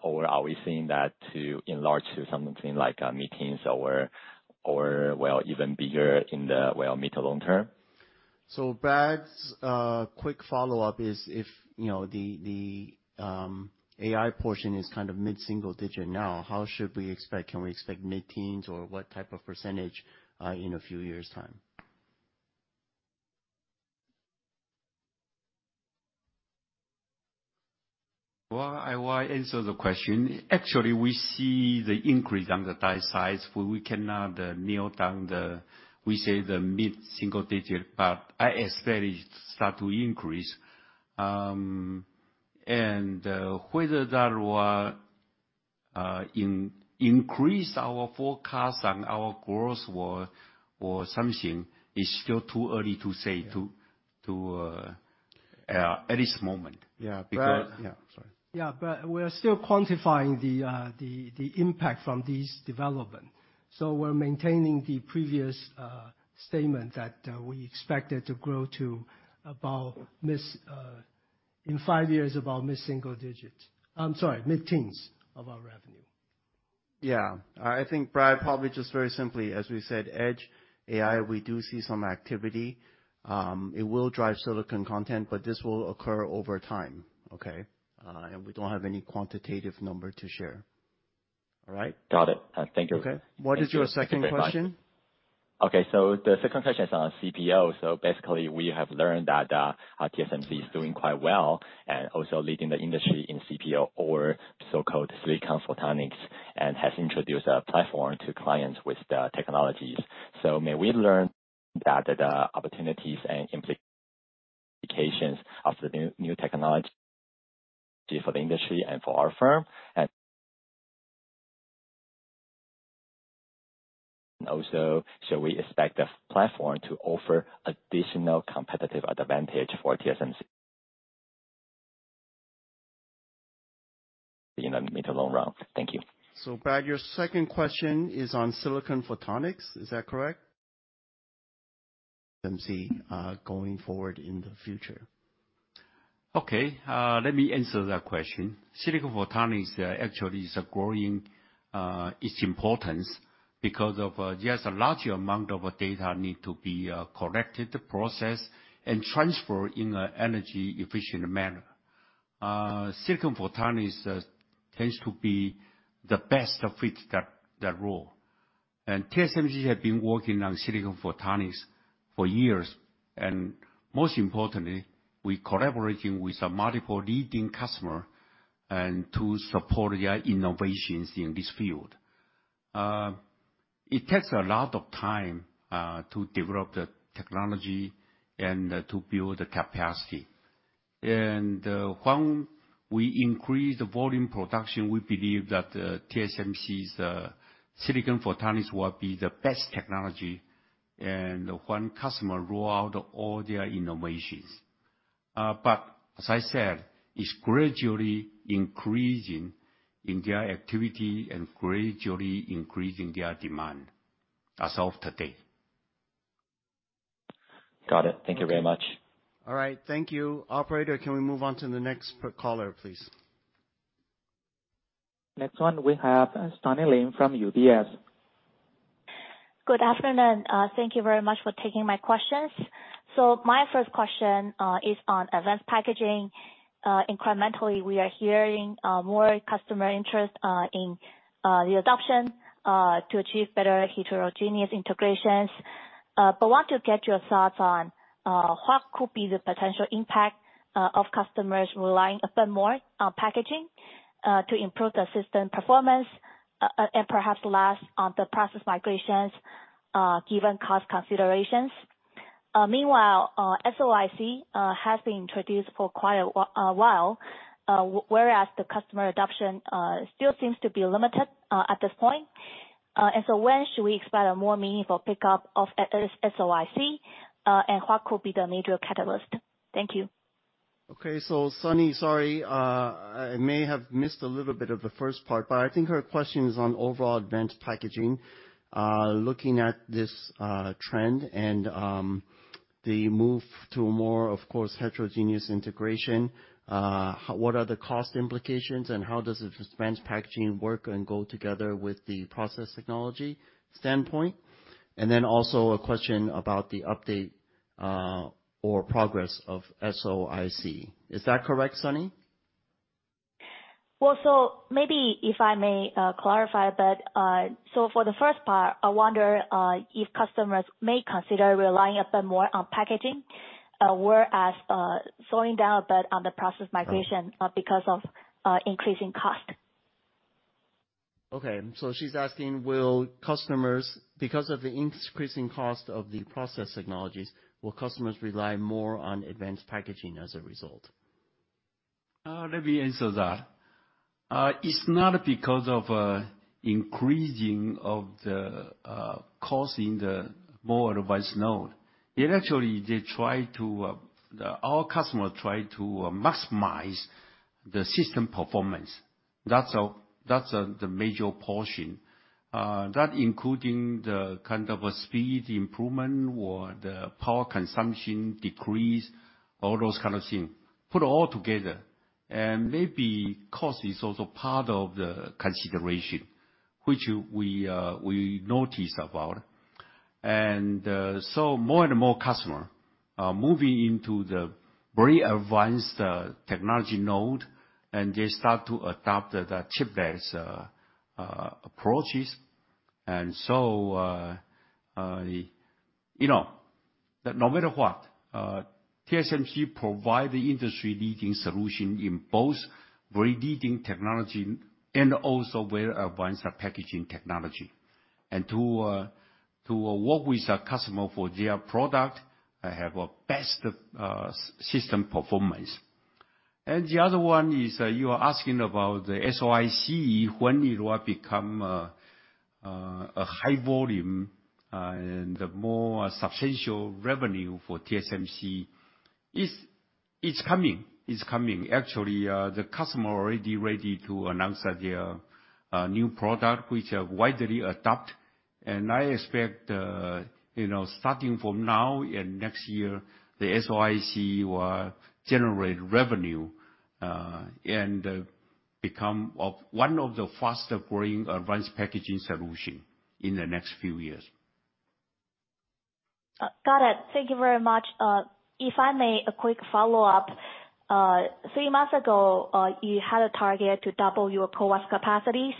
or are we seeing that to enlarge to something like, mid-teens or, or, well, even bigger in the, well, mid to long-term? So Brad's quick follow-up is if, you know, the AI portion is kind of mid-single digit now, how should we expect—can we expect mid-teens or what type of percentage in a few years' time? Well, I will answer the question. Actually, we see the increase on the die size, but we cannot nail down the, we say, the mid-single digit, but I expect it start to increase. And whether that will increase our forecast on our growth or something, it's still too early to say at this moment. Yeah, because But Yeah, sorry. Yeah, but we're still quantifying the impact from this development. So we're maintaining the previous statement that we expected to grow to about mid in five years, about mid-single digits. I'm sorry, mid-teens of our revenue. Yeah. I think, Brad, probably just very simply, as we said, edge AI, we do see some activity. It will drive silicon content, but this will occur over time, okay? And we don't have any quantitative number to share. All right? Got it. Thank you. Okay. What is your second question? Okay, so the second question is on CPO. So basically, we have learned that TSMC is doing quite well, and also leading the industry in CPO or so-called silicon photonics, and has introduced a platform to clients with the technologies. So may we learn that the opportunities and implications of the new, new technology for the industry and for our firm? And also, should we expect the platform to offer additional competitive advantage for TSMC in the mid to long run? Thank you. So, Brad, your second question is on silicon photonics. Is that correct? TSMC, going forward in the future. Okay, let me answer that question. Silicon photonics actually is a growing its importance because of just a large amount of data need to be collected, processed, and transferred in an energy-efficient manner. Silicon photonics tends to be the best to fit that role. And TSMC have been working on silicon photonics for years, and most importantly, we're collaborating with multiple leading customer and to support their innovations in this field. It takes a lot of time to develop the technology and to build the capacity. And when we increase the volume production, we believe that TSMC's silicon photonics will be the best technology and when customer roll out all their innovations. But as I said, it's gradually increasing in their activity and gradually increasing their demand as of today. Got it. Thank you very much. All right. Thank you. Operator, can we move on to the next caller, please? Next one, we have Sunny Lin from UBS. Good afternoon. Thank you very much for taking my questions. So my first question is on advanced packaging. Incrementally, we are hearing more customer interest in the adoption to achieve better heterogeneous integrations. But want to get your thoughts on what could be the potential impact of customers relying a bit more on packaging to improve the system performance, and perhaps last on the process migrations, given cost considerations. Meanwhile, SoIC has been introduced for quite a while, whereas the customer adoption still seems to be limited at this point. And so when should we expect a more meaningful pickup of SoIC, and what could be the major catalyst? Thank you. Okay. So Sunny, sorry, I may have missed a little bit of the first part, but I think her question is on overall advanced packaging. Looking at this trend and the move to a more, of course, heterogeneous integration, what are the cost implications and how does advanced packaging work and go together with the process technology standpoint? And then also a question about the update or progress of SoIC. Is that correct, Sunny? Well, so maybe if I may, clarify a bit, so for the first part, I wonder if customers may consider relying a bit more on packaging, whereas slowing down a bit on the process migration because of increasing cost. Okay. So she's asking, will customers... Because of the increasing cost of the process technologies, will customers rely more on advanced packaging as a result? Let me answer that. It's not because of increasing of the cost in the more advanced node. It actually, they try to, our customer try to maximize the system performance. That's the major portion. That including the kind of a speed improvement or the power consumption decrease, all those kind of things, put all together. And maybe cost is also part of the consideration, which we notice about. And so more and more customer are moving into the very advanced technology node, and they start to adopt the chiplets approaches. And so you know. That no matter what, TSMC provide the industry-leading solution in both very leading technology and also very advanced packaging technology. And to work with our customer for their product, I have a best system performance. And the other one is, you are asking about the SoIC, when it will become, a high volume, and more substantial revenue for TSMC. It's, it's coming, it's coming. Actually, the customer already ready to announce, their, new product, which are widely adopt. And I expect, you know, starting from now, and next year, the SoIC will generate revenue, and become of one of the fastest growing advanced packaging solution in the next few years. Got it. Thank you very much. If I may, a quick follow-up. Three months ago, you had a target to double your CoWoS capacities,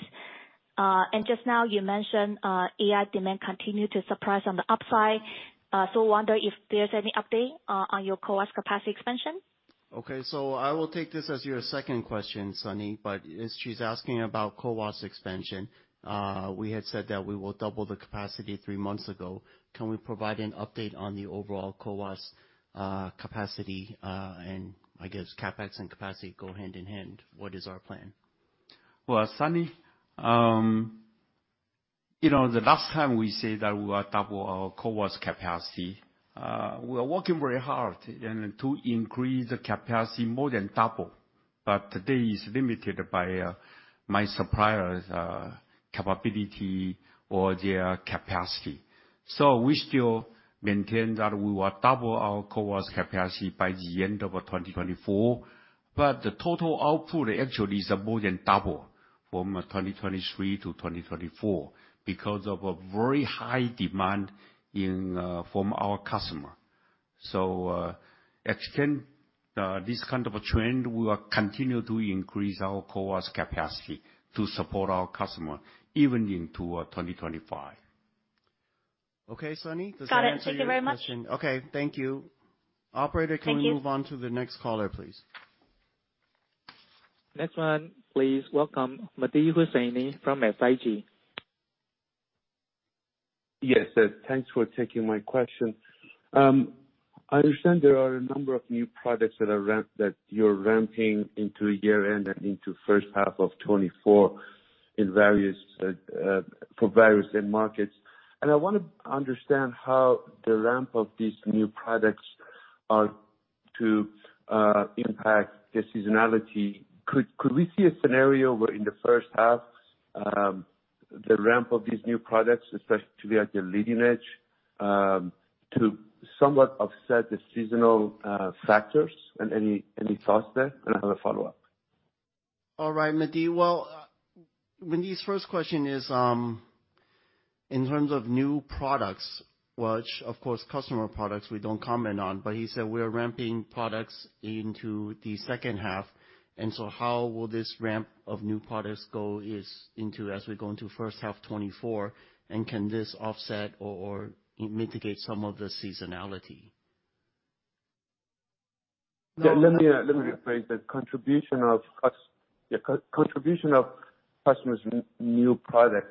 and just now, you mentioned, AI demand continued to surprise on the upside. So wonder if there's any update, on your CoWoS capacity expansion? Okay, so I will take this as your second question, Sunny. But as she's asking about CoWoS expansion, we had said that we will double the capacity three months ago. Can we provide an update on the overall CoWoS capacity, and I guess CapEx and capacity go hand in hand. What is our plan? Well, Sunny, you know, the last time we said that we will double our CoWoS capacity, we are working very hard and to increase the capacity more than double. But today is limited by my suppliers' capability or their capacity. So we still maintain that we will double our CoWoS capacity by the end of 2024, but the total output actually is more than double from 2023 to 2024 because of a very high demand from our customer. So, extending this kind of a trend, we will continue to increase our CoWoS capacity to support our customer, even into 2025. Okay, Sunny, does that answer your question? Got it. Thank you very much. Okay, thank you. Operator Thank you. can we move on to the next caller, please? Next one, please welcome Mehdi Hosseini from SIG. Yes, thanks for taking my question. I understand there are a number of new products that are ramping into year-end and into first half of 2024, in various, for various end markets. I want to understand how the ramp of these new products are to impact the seasonality. Could we see a scenario where in the first half, the ramp of these new products, especially to be at the leading edge, to somewhat offset the seasonal factors? Any thoughts there? I have a follow-up. All right, Mehdi. Well, Mehdi's first question is, in terms of new products, which of course, customer products we don't comment on, but he said, we're ramping products into the second half, and so how will this ramp of new products go is into, as we go into first half 2024, and can this offset or, or mitigate some of the seasonality? Yeah, let me rephrase. The contribution of the co-contribution of customers' new product,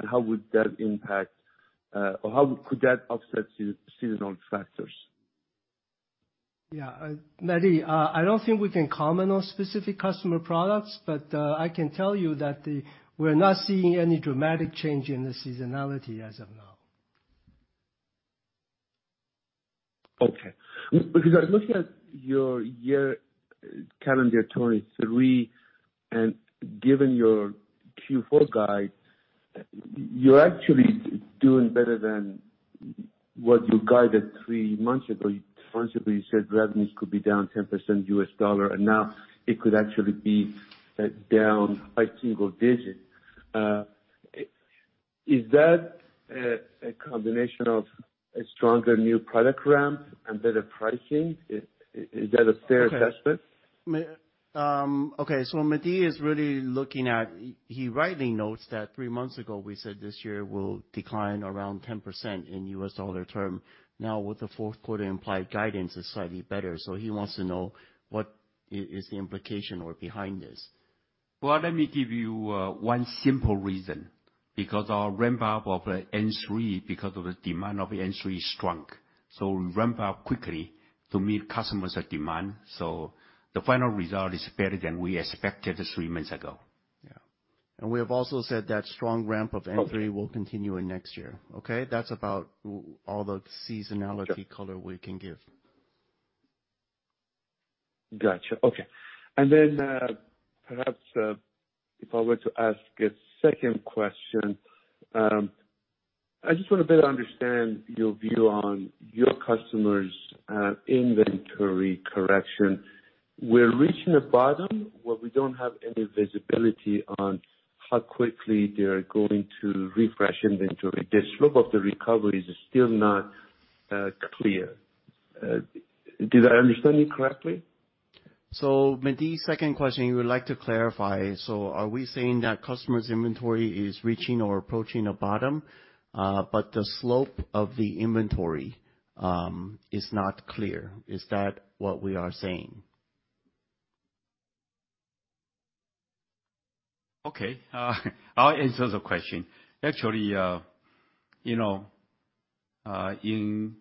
and how would that impact, or how could that offset seasonal factors? Yeah, Mehdi, I don't think we can comment on specific customer products, but, I can tell you that we're not seeing any dramatic change in the seasonality as of now. Okay. Because I look at your year, calendar 2023, and given your Q4 guide, you're actually doing better than what you guided three months ago. You essentially said revenues could be down 10% U.S. dollar, and now it could actually be down by single digits. Is that a combination of a stronger new product ramp and better pricing? Is that a fair assessment? Okay, so Mehdi is really looking at... He rightly notes that three months ago, we said this year will decline around 10% in U.S. dollar terms. Now, with the fourth quarter, implied guidance is slightly better, so he wants to know what is the implication or behind this. Well, let me give you one simple reason. Because our ramp up of N3, because of the demand of N3 is strong, so we ramp up quickly to meet customers' demand, so the final result is better than we expected three months ago. Yeah. And we have also said that strong ramp of N3 will continue in next year. Okay? That's about all the seasonality color we can give. Gotcha. Okay. And then, perhaps, if I were to ask a second question, I just want to better understand your view on your customers', inventory correction. We're reaching a bottom where we don't have any visibility on how quickly they are going to refresh inventory. The slope of the recovery is still not clear. Did I understand you correctly? So, Mehdi, second question, you would like to clarify. So are we saying that customers' inventory is reaching or approaching a bottom, but the slope of the inventory, is not clear? Is that what we are saying? Okay. I'll answer the question. Actually, you know, in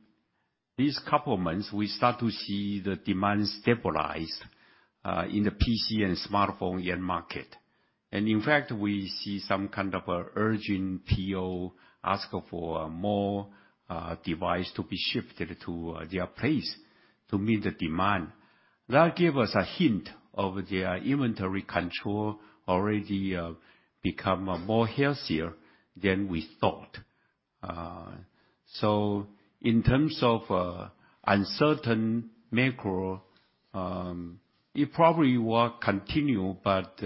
these couple of months, we start to see the demand stabilize in the PC and smartphone end market. And in fact, we see some kind of a urgent PO ask for more device to be shifted to their place to meet the demand. That give us a hint of their inventory control already become more healthier than we thought. So in terms of uncertain macro, it probably will continue, but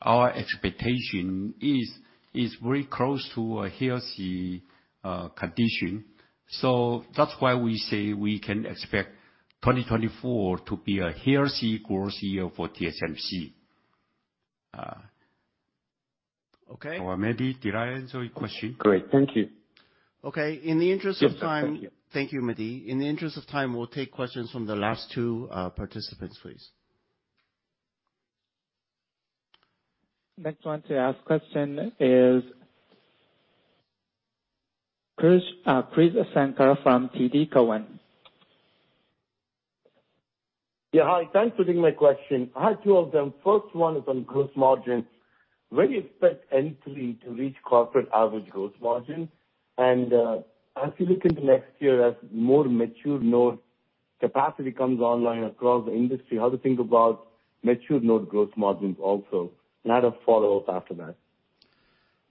our expectation is very close to a healthy condition. So that's why we say we can expect 2024 to be a healthy growth year for TSMC. Okay. Mehdi, did I answer your question? Great. Thank you. Okay, in the interest of time Yes, thank you. Thank you, Mehdi. In the interest of time, we'll take questions from the last two participants, please. Next one to ask question is Krish, Krish Sankar from TD Cowen. Yeah, hi. Thanks for taking my question. I have two of them. First one is on gross margin. When do you expect N3 to reach corporate average gross margin? And, as you look into next year, as more mature node capacity comes online across the industry, how do you think about mature node gross margins also? And I have a follow-up after that.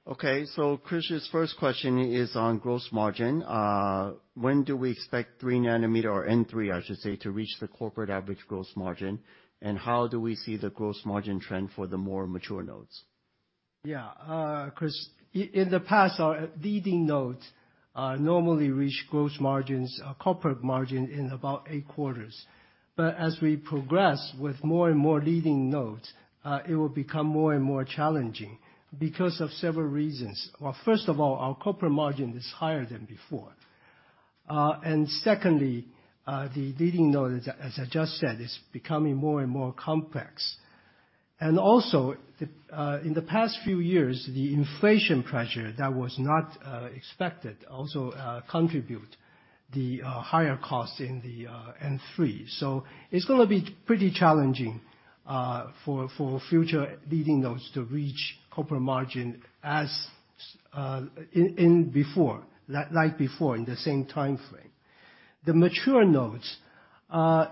Okay, so Krish's first question is on gross margin. When do we expect 3nm, or N3, I should say, to reach the corporate average gross margin? And how do we see the gross margin trend for the more mature nodes? Yeah, Krish, in the past, our leading nodes normally reach gross margins corporate margin in about eight quarters. But as we progress with more and more leading nodes, it will become more and more challenging because of several reasons. Well, first of all, our corporate margin is higher than before. And secondly, the leading node, as I just said, is becoming more and more complex. And also, in the past few years, the inflation pressure that was not expected also contribute the higher costs in the N3. So it's gonna be pretty challenging for future leading nodes to reach corporate margin as in before, like before, in the same time frame. The mature nodes, I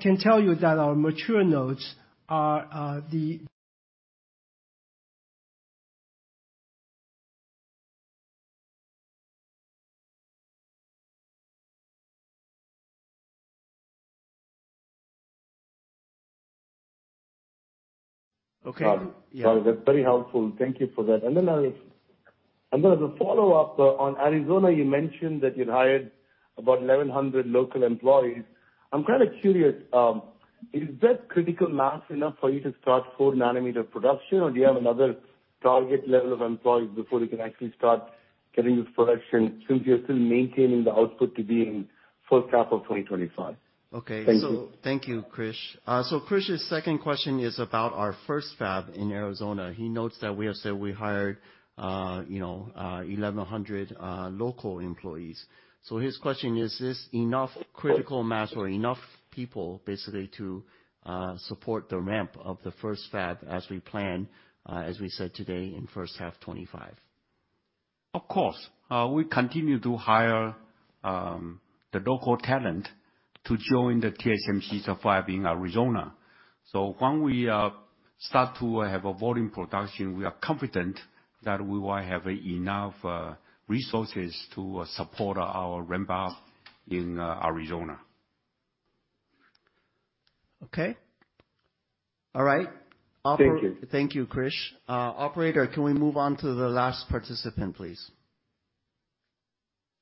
can tell you that our mature nodes are the Okay. Yeah. That's very helpful. Thank you for that. And then, and then as a follow-up, on Arizona, you mentioned that you'd hired about 1,100 local employees. I'm kind of curious, is that critical mass enough for you to start 4nm production, or do you have another target level of employees before you can actually start getting the production, since you're still maintaining the output to be in first half of 2025? Okay. Thank you. So thank you, Krish. So Krish's second question is about our first fab in Arizona. He notes that we have said we hired, you know, 1,100 local employees. So his question, is this enough critical mass or enough people basically, to support the ramp of the first fab as we plan, as we said today, in first half 2025? Of course. We continue to hire the local talent to join the TSMC fab in Arizona. So when we start to have a volume production, we are confident that we will have enough resources to support our ramp-up in Arizona. Okay. All right. Thank you. Thank you, Krish. Operator, can we move on to the last participant, please?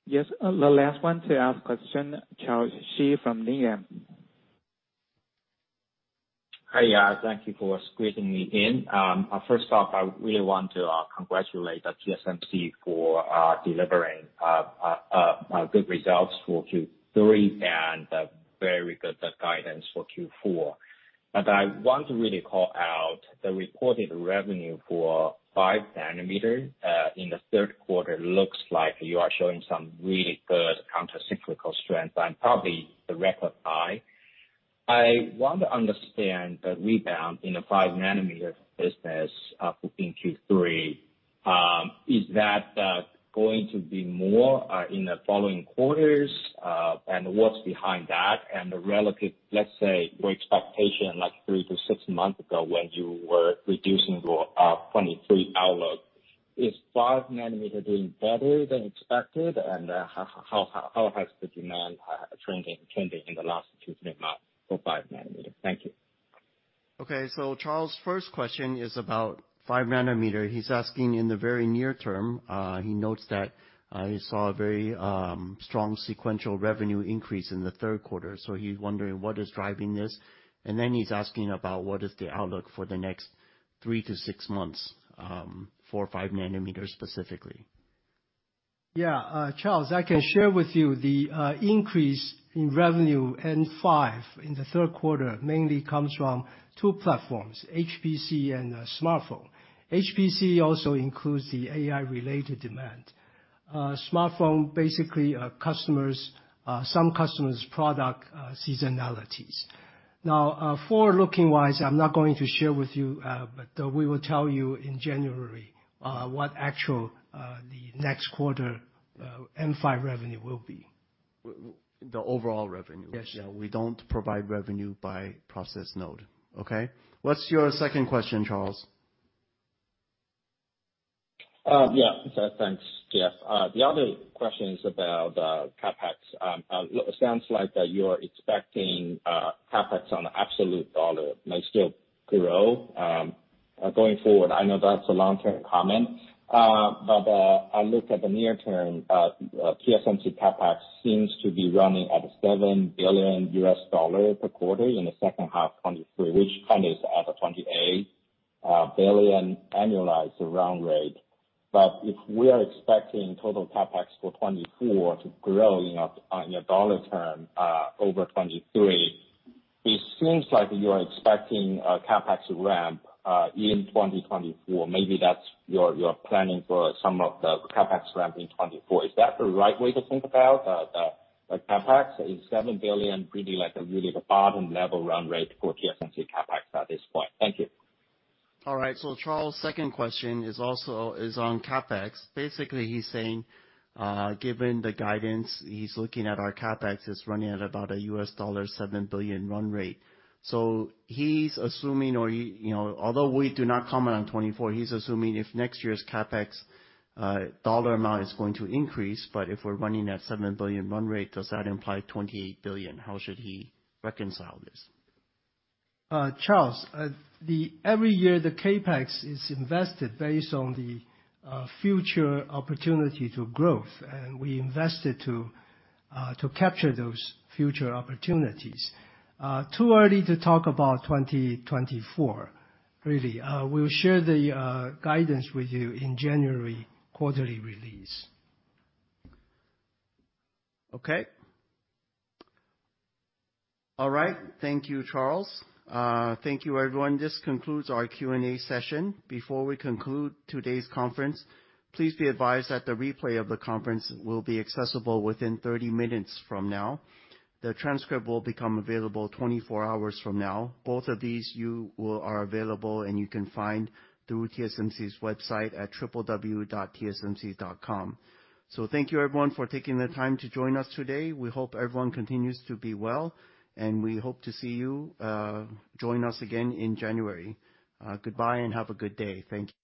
Yes, the last one to ask question, Charles Shi from Needham. Hi, thank you for squeezing me in. First off, I really want to congratulate TSMC for delivering good results for Q3 and a very good guidance for Q4. But I want to really call out the reported revenue for 5nm in the third quarter. Looks like you are showing some really good countercyclical strength and probably the record high. I want to understand the rebound in the 5nm business in Q3. Is that going to be more in the following quarters? And what's behind that? And the relative, let's say, your expectation, like three to six months ago, when you were reducing your 2023 outlook. Is 5nm doing better than expected? And how has the demand trending in the last two to three months for 5nm? Thank you. Okay, so Charles's first question is about 5nm. He's asking in the very near-term, he notes that he saw a very strong sequential revenue increase in the third quarter, so he's wondering what is driving this. And then he's asking about what is the outlook for the next three to six months for 5nm specifically? Yeah, Charles, I can share with you the increase in revenue N5 in the third quarter mainly comes from two platforms, HPC and smartphone. HPC also includes the AI-related demand. Smartphone, basically, customers, some customers' product seasonalities. Now, forward-looking wise, I'm not going to share with you, but we will tell you in January what actual the next quarter N5 revenue will be. The overall revenue? Yes. We don't provide revenue by process node. Okay, what's your second question, Charles? Yeah, thanks, Jeff. The other question is about CapEx. It sounds like that you're expecting CapEx on absolute dollar may still grow, going forward. I know that's a long-term comment, but I look at the near-term, TSMC CapEx seems to be running at $7 billion per quarter in the second half, 2023, which kind is at a $28 billion annualized run rate. But if we are expecting total CapEx for 2024 to grow in a dollar term over 2023, it seems like you are expecting a CapEx ramp in 2024. Maybe that's your, you are planning for some of the CapEx ramp in 2024. Is that the right way to think about the CapEx? Is $7 billion really like a really the bottom level run rate for TSMC CapEx at this point? Thank you. All right, so Charles' second question is also on CapEx. Basically, he's saying, given the guidance, he's looking at our CapEx is running at about a $7 billion run rate. So he's assuming, or he, you know, although we do not comment on 2024, he's assuming if next year's CapEx dollar amount is going to increase, but if we're running at $7 billion run rate, does that imply $28 billion? How should he reconcile this? Charles, every year, the CapEx is invested based on the future opportunity to growth, and we invest it to capture those future opportunities. Too early to talk about 2024, really. We'll share the guidance with you in January quarterly release. Okay. All right. Thank you, Charles. Thank you, everyone. This concludes our Q&A session. Before we conclude today's conference, please be advised that the replay of the conference will be accessible within 30 minutes from now. The transcript will become available 24 hours from now. Both of these, you, will, are available, and you can find through TSMC's website at www.tsmc.com. So thank you, everyone, for taking the time to join us today. We hope everyone continues to be well, and we hope to see you, join us again in January. Goodbye and have a good day. Thank you.